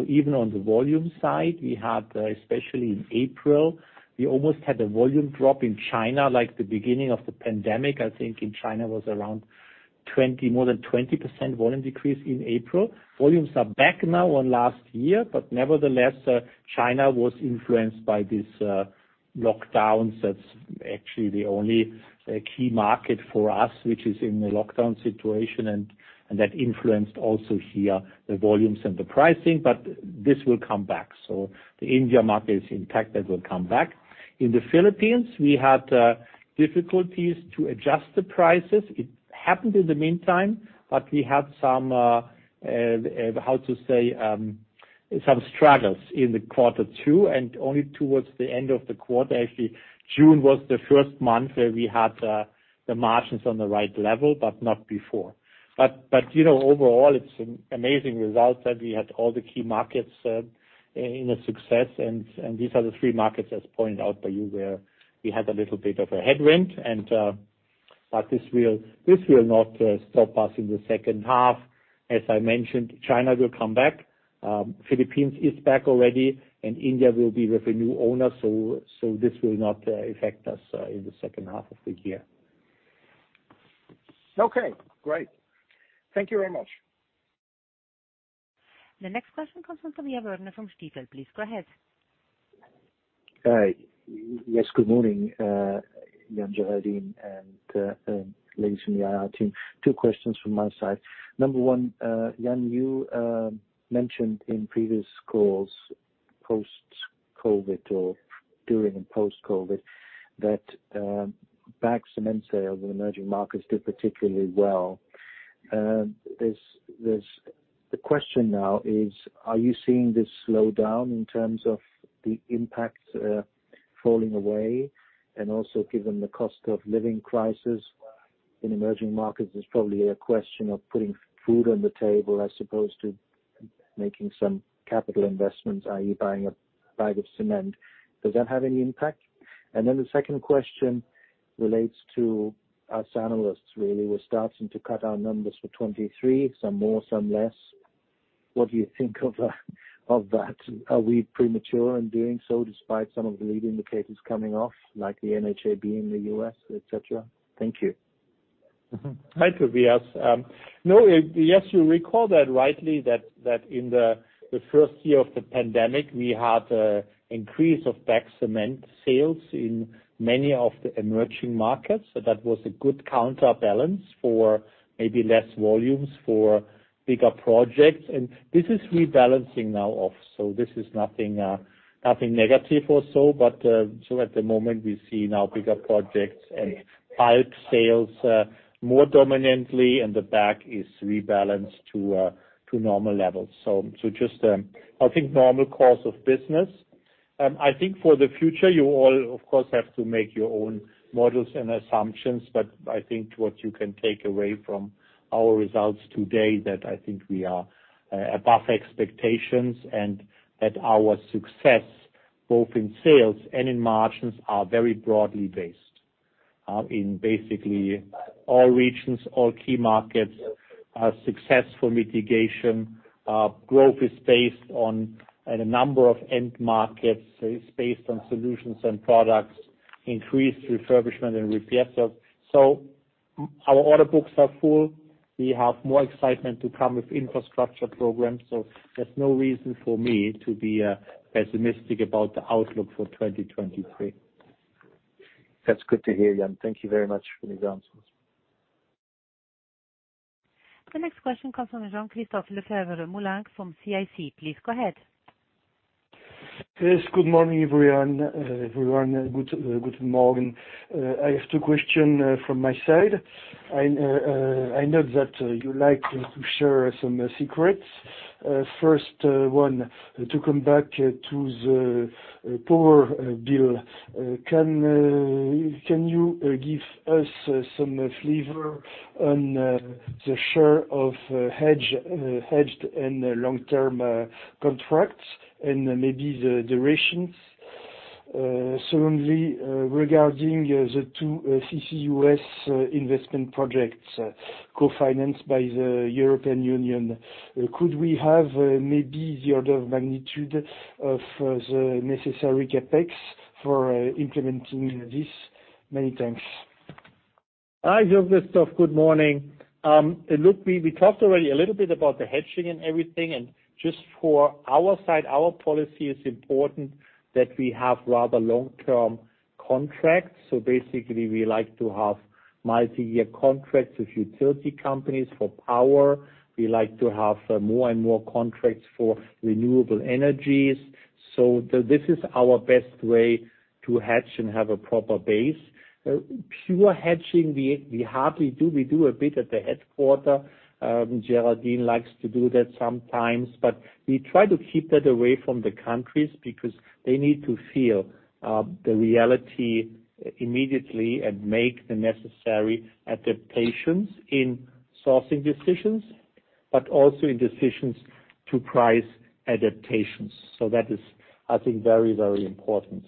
[SPEAKER 3] Even on the volume side, we had, especially in April, we almost had a volume drop in China, like the beginning of the pandemic. I think in China was around more than 20% volume decrease in April. Volumes are back now on last year, but nevertheless, China was influenced by these lockdowns. That's actually the only key market for us, which is in the lockdown situation and that influenced also here the volumes and the pricing, but this will come back. The India market is impacted, will come back. In the Philippines, we had difficulties to adjust the prices. It happened in the meantime, but we had some struggles in the quarter two, and only towards the end of the quarter. Actually, June was the first month where we had the margins on the right level, but not before. You know, overall it's an amazing result that we had all the key markets in a success. These are the three markets, as pointed out by you, where we had a little bit of a headwind. This will not stop us in the second half. As I mentioned, China will come back. Philippines is back already, and India will be with a new owner. This will not affect us in the second half of the year.
[SPEAKER 16] Okay, great. Thank you very much.
[SPEAKER 1] The next question comes from Tobias Woerner from Stifel. Please go ahead.
[SPEAKER 17] Hi. Yes, good morning, Jan Jenisch and ladies from the IR team. Two questions from my side. Number one, Jan, you mentioned in previous calls post-COVID or during and post-COVID that bagged cement sales in emerging markets did particularly well. There's the question now is, are you seeing this slow down in terms of the impacts falling away? And also, given the cost of living crisis in emerging markets, it's probably a question of putting food on the table as opposed to making some capital investments. Are you buying a bag of cement? Does that have any impact? And then the second question relates to us analysts really. We're starting to cut our numbers for 2023, some more, some less. What do you think of that? Are we premature in doing so despite some of the leading indicators coming off, like the NAHB being the U.S., et cetera? Thank you.
[SPEAKER 3] Thank you, Tobias. Yes, you recall that rightly that in the first year of the pandemic, we had increase of bagged cement sales in many of the emerging markets. That was a good counterbalance for maybe less volumes for bigger projects. This is rebalancing now off. This is nothing negative or so, but so at the moment we see now bigger projects and bulk sales more dominantly, and the bag is rebalanced to normal levels. Just I think normal course of business. I think for the future, you all of course have to make your own models and assumptions, but I think what you can take away from our results today that I think we are above expectations and that our success, both in sales and in margins, are very broadly based. In basically all regions, all key markets are successful mitigation. Growth is based on a number of end markets. It's based on Solutions and Products, increased refurbishment and repair. Our order books are full. We have more excitement to come with infrastructure programs, so there's no reason for me to be pessimistic about the outlook for 2023.
[SPEAKER 17] That's good to hear, Jan. Thank you very much for the answers.
[SPEAKER 1] The next question comes from Jean-Christophe Lefèvre-Moulenq from CIC. Please go ahead.
[SPEAKER 18] Yes, good morning, everyone. Guten morgen. I have two question from my side. I know that you like to share some secrets. First one, to come back to the power bill. Can you give us some flavor on the share of hedged and long-term contracts and maybe the durations? Secondly, regarding the two CCUS investment projects co-financed by the European Union, could we have maybe the order of magnitude of the necessary CapEx for implementing this? Many thanks.
[SPEAKER 3] Hi, Jean-Christophe. Good morning. Look, we talked already a little bit about the hedging and everything. Just for our side, our policy is important that we have rather long-term contracts. Basically, we like to have multiyear contracts with utility companies for power. We like to have more and more contracts for renewable energies. This is our best way to hedge and have a proper base. Pure hedging, we hardly do. We do a bit at the headquarters. Géraldine likes to do that sometimes, but we try to keep that away from the countries because they need to feel the reality immediately and make the necessary adaptations in sourcing decisions, but also in decisions to price adaptations. That is, I think, very, very important.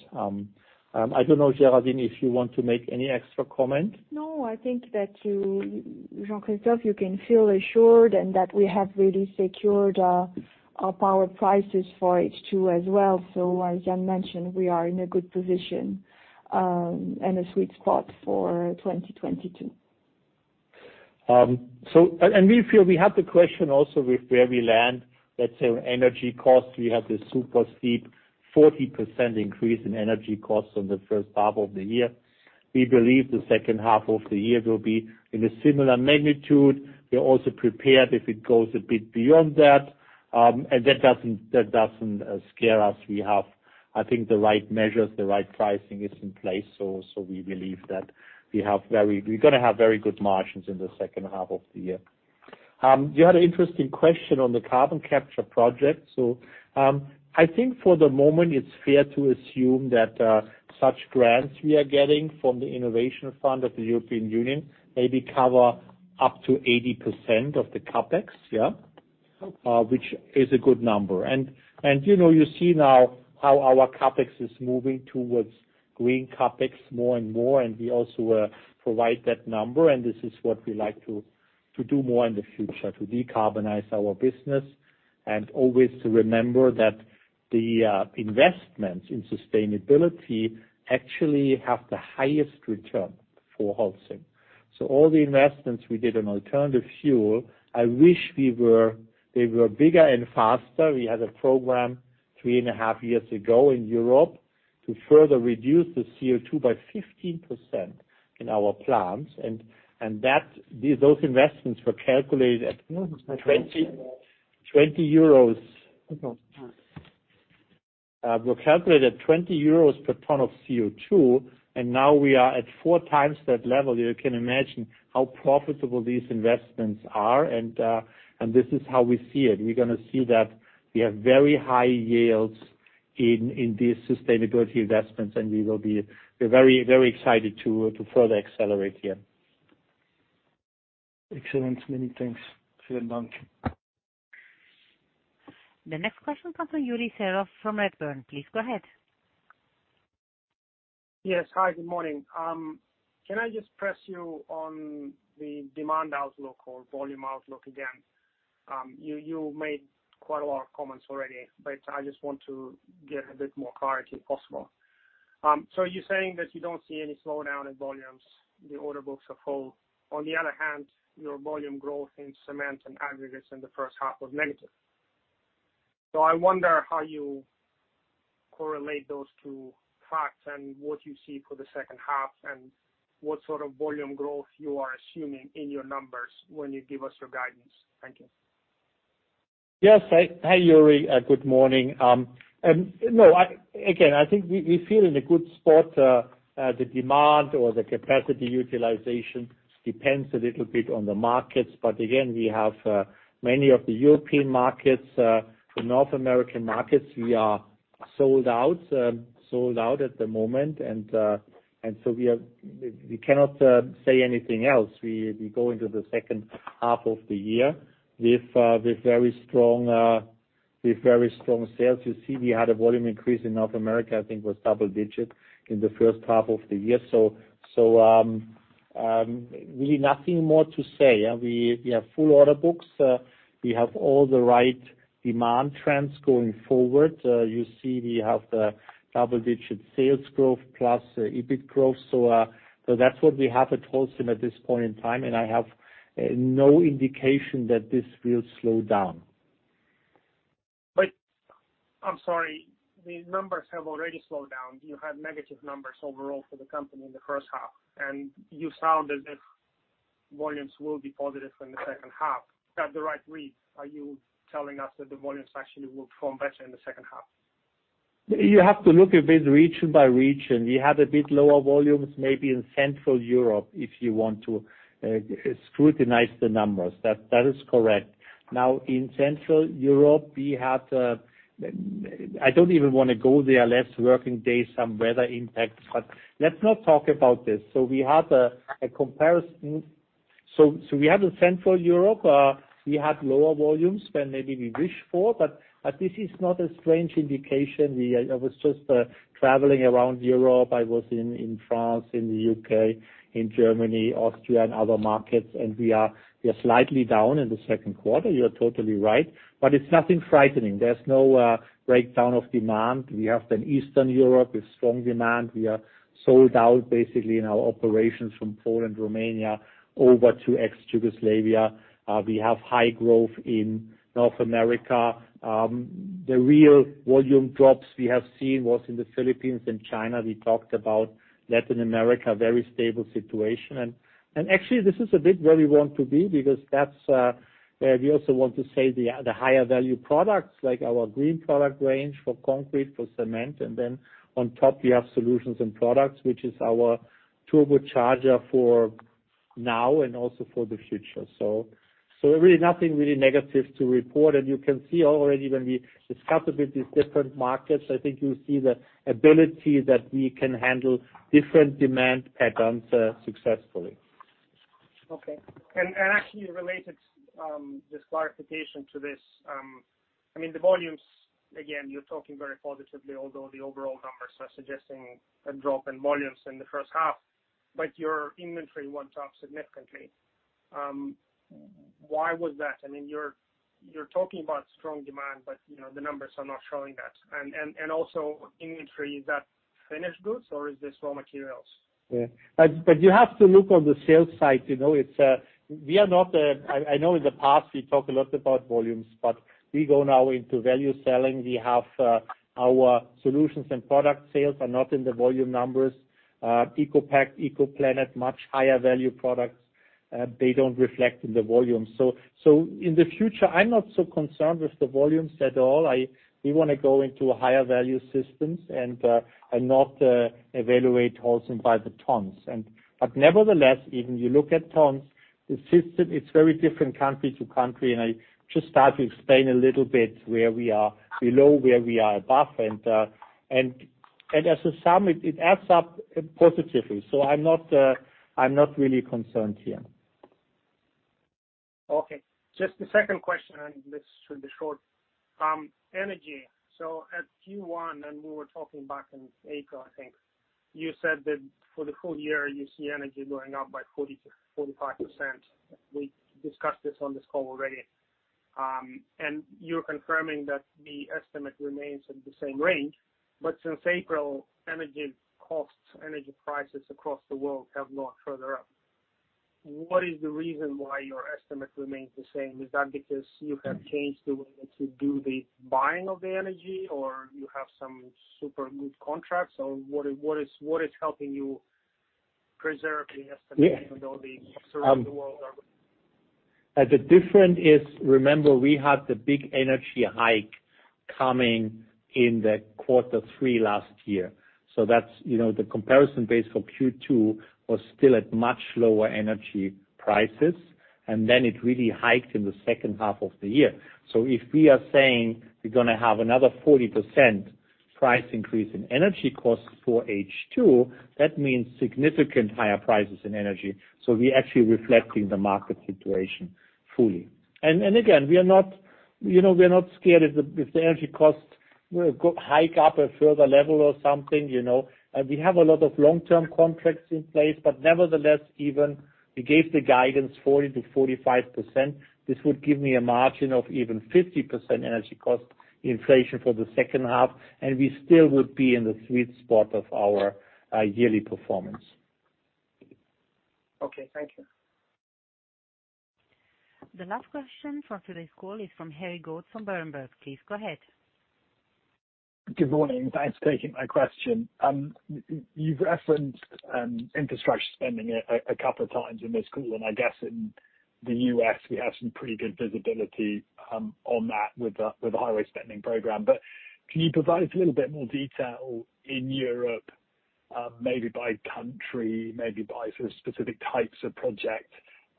[SPEAKER 3] I don't know, Géraldine, if you want to make any extra comment.
[SPEAKER 4] No, I think that you, Jean-Christophe, you can feel assured and that we have really secured our power prices for H2 as well. As Jan mentioned, we are in a good position and a sweet spot for 2022.
[SPEAKER 3] We feel we have the question also with where we land. Let's say energy costs, we have this super steep 40% increase in energy costs on the first half of the year. We believe the second half of the year will be in a similar magnitude. We're also prepared if it goes a bit beyond that. That doesn't scare us. We have, I think, the right measures, the right pricing is in place. We believe we're gonna have very good margins in the second half of the year. You had an interesting question on the carbon capture project. I think for the moment, it's fair to assume that such grants we are getting from the Innovation Fund of the European Union maybe cover up to 80% of the CapEx, yeah. Which is a good number. You know, you see now how our CapEx is moving towards green CapEx more and more, and we also provide that number, and this is what we like to do more in the future, to decarbonize our business. Always to remember that the investments in sustainability actually have the highest return for Holcim. All the investments we did on alternative fuel, I wish they were bigger and faster. We had a program three and a half years ago in Europe to further reduce the CO2 by 15% in our plants. Those investments were calculated at 20 euros per ton of CO2, and now we are at four times that level. You can imagine how profitable these investments are. This is how we see it. We're gonna see that we have very high yields in these sustainability investments, and we're very excited to further accelerate here.
[SPEAKER 18] Excellent. Many thanks. Vielen Dank.
[SPEAKER 1] The next question comes from Yuri Serov from Redburn. Please go ahead.
[SPEAKER 19] Yes. Hi, good morning. Can I just press you on the demand outlook or volume outlook again? You made quite a lot of comments already, but I just want to get a bit more clarity if possible. You're saying that you don't see any slowdown in volumes, the order books are full. On the other hand, your volume growth in cement and aggregates in the first half was negative. I wonder how you correlate those two facts and what you see for the second half and what sort of volume growth you are assuming in your numbers when you give us your guidance. Thank you.
[SPEAKER 3] Yes. Hi, Yuri. Good morning. No, again, I think we feel in a good spot. The demand or the capacity utilization depends a little bit on the markets. Again, we have many of the European markets, the North American markets, we are sold out at the moment. We cannot say anything else. We go into the second half of the year with very strong sales. You see we had a volume increase in North America, I think was double digit in the first half of the year. Really nothing more to say. We have full order books. We have all the right demand trends going forward. You see we have the double-digit sales growth plus EBIT growth. That's what we have at Holcim at this point in time, and I have no indication that this will slow down.
[SPEAKER 19] I'm sorry, the numbers have already slowed down. You had negative numbers overall for the company in the first half, and you sound as if volumes will be positive in the second half. Is that the right read? Are you telling us that the volumes actually will perform better in the second half?
[SPEAKER 3] You have to look a bit region by region. We had a bit lower volumes, maybe in Central Europe, if you want to scrutinize the numbers. That is correct. Now, in Central Europe, we had I don't even wanna go there, less working days, some weather impacts, but let's not talk about this. We had a comparison. We had in Central Europe we had lower volumes than maybe we wish for, but this is not a strange indication. I was just traveling around Europe. I was in France, in the U.K., in Germany, Austria, and other markets, and we are slightly down in the second quarter. You're totally right. It's nothing frightening. There's no breakdown of demand. We have in Eastern Europe a strong demand. We are sold out basically in our operations from Poland, Romania, over to ex-Yugoslavia. We have high growth in North America. The real volume drops we have seen was in the Philippines and China. We talked about Latin America, very stable situation. Actually this is a bit where we want to be because that's where we also want to sell the higher value products, like our green product range for concrete, for cement. Then on top, we have Solutions & Products, which is our turbocharger for now and also for the future. Really nothing really negative to report. You can see already when we discuss a bit these different markets, I think you see the ability that we can handle different demand patterns successfully.
[SPEAKER 19] Okay. Actually related this clarification to this, I mean, the volumes, again, you're talking very positively, although the overall numbers are suggesting a drop in volumes in the first half, but your inventory went up significantly. Why was that? I mean, you're talking about strong demand, but, you know, the numbers are not showing that. Also inventory, is that finished goods or is this raw materials?
[SPEAKER 3] Yeah. You have to look on the sales side, you know? I know in the past, we talk a lot about volumes, but we go now into value selling. We have our Solutions and Products sales are not in the volume numbers. ECOPact, ECOPlanet, much higher value products, they don't reflect in the volume. In the future, I'm not so concerned with the volumes at all. We wanna go into higher value systems and not evaluate Holcim by the tons. Nevertheless, even if you look at tons, the situation is very different country to country. I just start to explain a little bit where we are below, where we are above. In sum, it adds up positively. I'm not really concerned here.
[SPEAKER 19] Okay. Just a second question, and this should be short. Energy. At Q1, and we were talking back in April, I think. You said that for the full year, you see energy going up by 40%-45%. We discussed this on this call already. You're confirming that the estimate remains in the same range. Since April, energy costs, energy prices across the world have gone further up. What is the reason why your estimate remains the same? Is that because you have changed the way to do the buying of the energy or you have some super good contracts? Or what is helping you preserve the estimate even though the rest of the world are?
[SPEAKER 3] The difference is, remember, we had the big energy hike coming in Q3 last year. That's, you know, the comparison basis for Q2 was still at much lower energy prices, and then it really hiked in the second half of the year. If we are saying we're gonna have another 40% price increase in energy costs for H2, that means significantly higher prices in energy. We are actually reflecting the market situation fully. Again, we are not, you know, we're not scared if the energy costs hike up a further level or something, you know. We have a lot of long-term contracts in place, but nevertheless, we even gave the guidance 40%-45%. This would give me a margin of even 50% energy cost inflation for the second half, and we still would be in the sweet spot of our yearly performance.
[SPEAKER 19] Okay, thank you.
[SPEAKER 1] The last question for today's call is from Harry Goad from Berenberg. Please go ahead.
[SPEAKER 20] Good morning. Thanks for taking my question. You've referenced infrastructure spending a couple of times in this call, and I guess in the US, we have some pretty good visibility on that with the highway spending program. Can you provide a little bit more detail in Europe, maybe by country, maybe by specific types of project?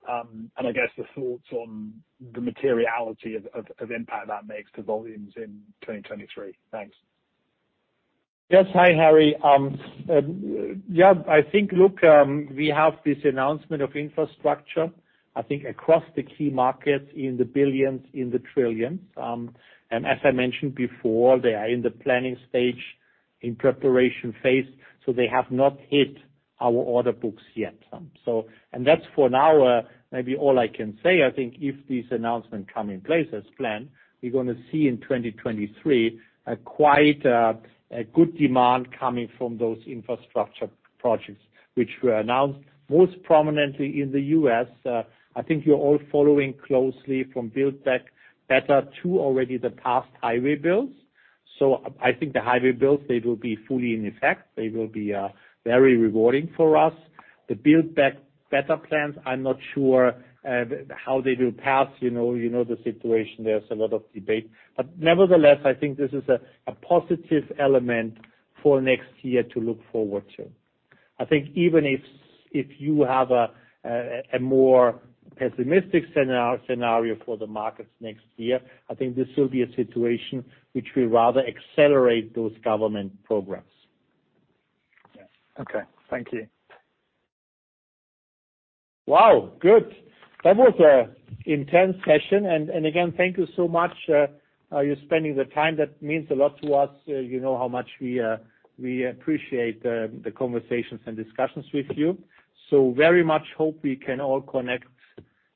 [SPEAKER 20] I guess the thoughts on the materiality of impact that makes to volumes in 2023. Thanks.
[SPEAKER 3] Yes. Hi, Harry. Yeah, I think, look, we have this announcement of infrastructure, I think across the key markets in the billions, in the trillions. As I mentioned before, they are in the planning stage, in preparation phase, so they have not hit our order books yet. That's for now, maybe all I can say. I think if these announcement come in place as planned, we're gonna see in 2023 a quite, a good demand coming from those infrastructure projects which were announced most prominently in the U.S. I think you're all following closely from Build Back Better too already the passed highway bills. I think the highway bills, they will be fully in effect. They will be very rewarding for us. The Build Back Better plans, I'm not sure how they will pass. You know the situation. There's a lot of debate. Nevertheless, I think this is a positive element for next year to look forward to. I think even if you have a more pessimistic scenario for the markets next year, I think this will be a situation which will rather accelerate those government programs.
[SPEAKER 21] Yeah. Okay. Thank you.
[SPEAKER 3] Wow. Good. That was an intense session. Again, thank you so much, you spending the time. That means a lot to us. You know how much we appreciate the conversations and discussions with you. Very much hope we can all connect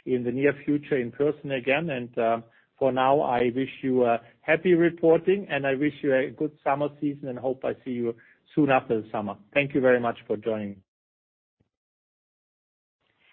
[SPEAKER 3] in the near future in person again. For now, I wish you a happy reporting, and I wish you a good summer season and hope I see you soon after the summer. Thank you very much for joining.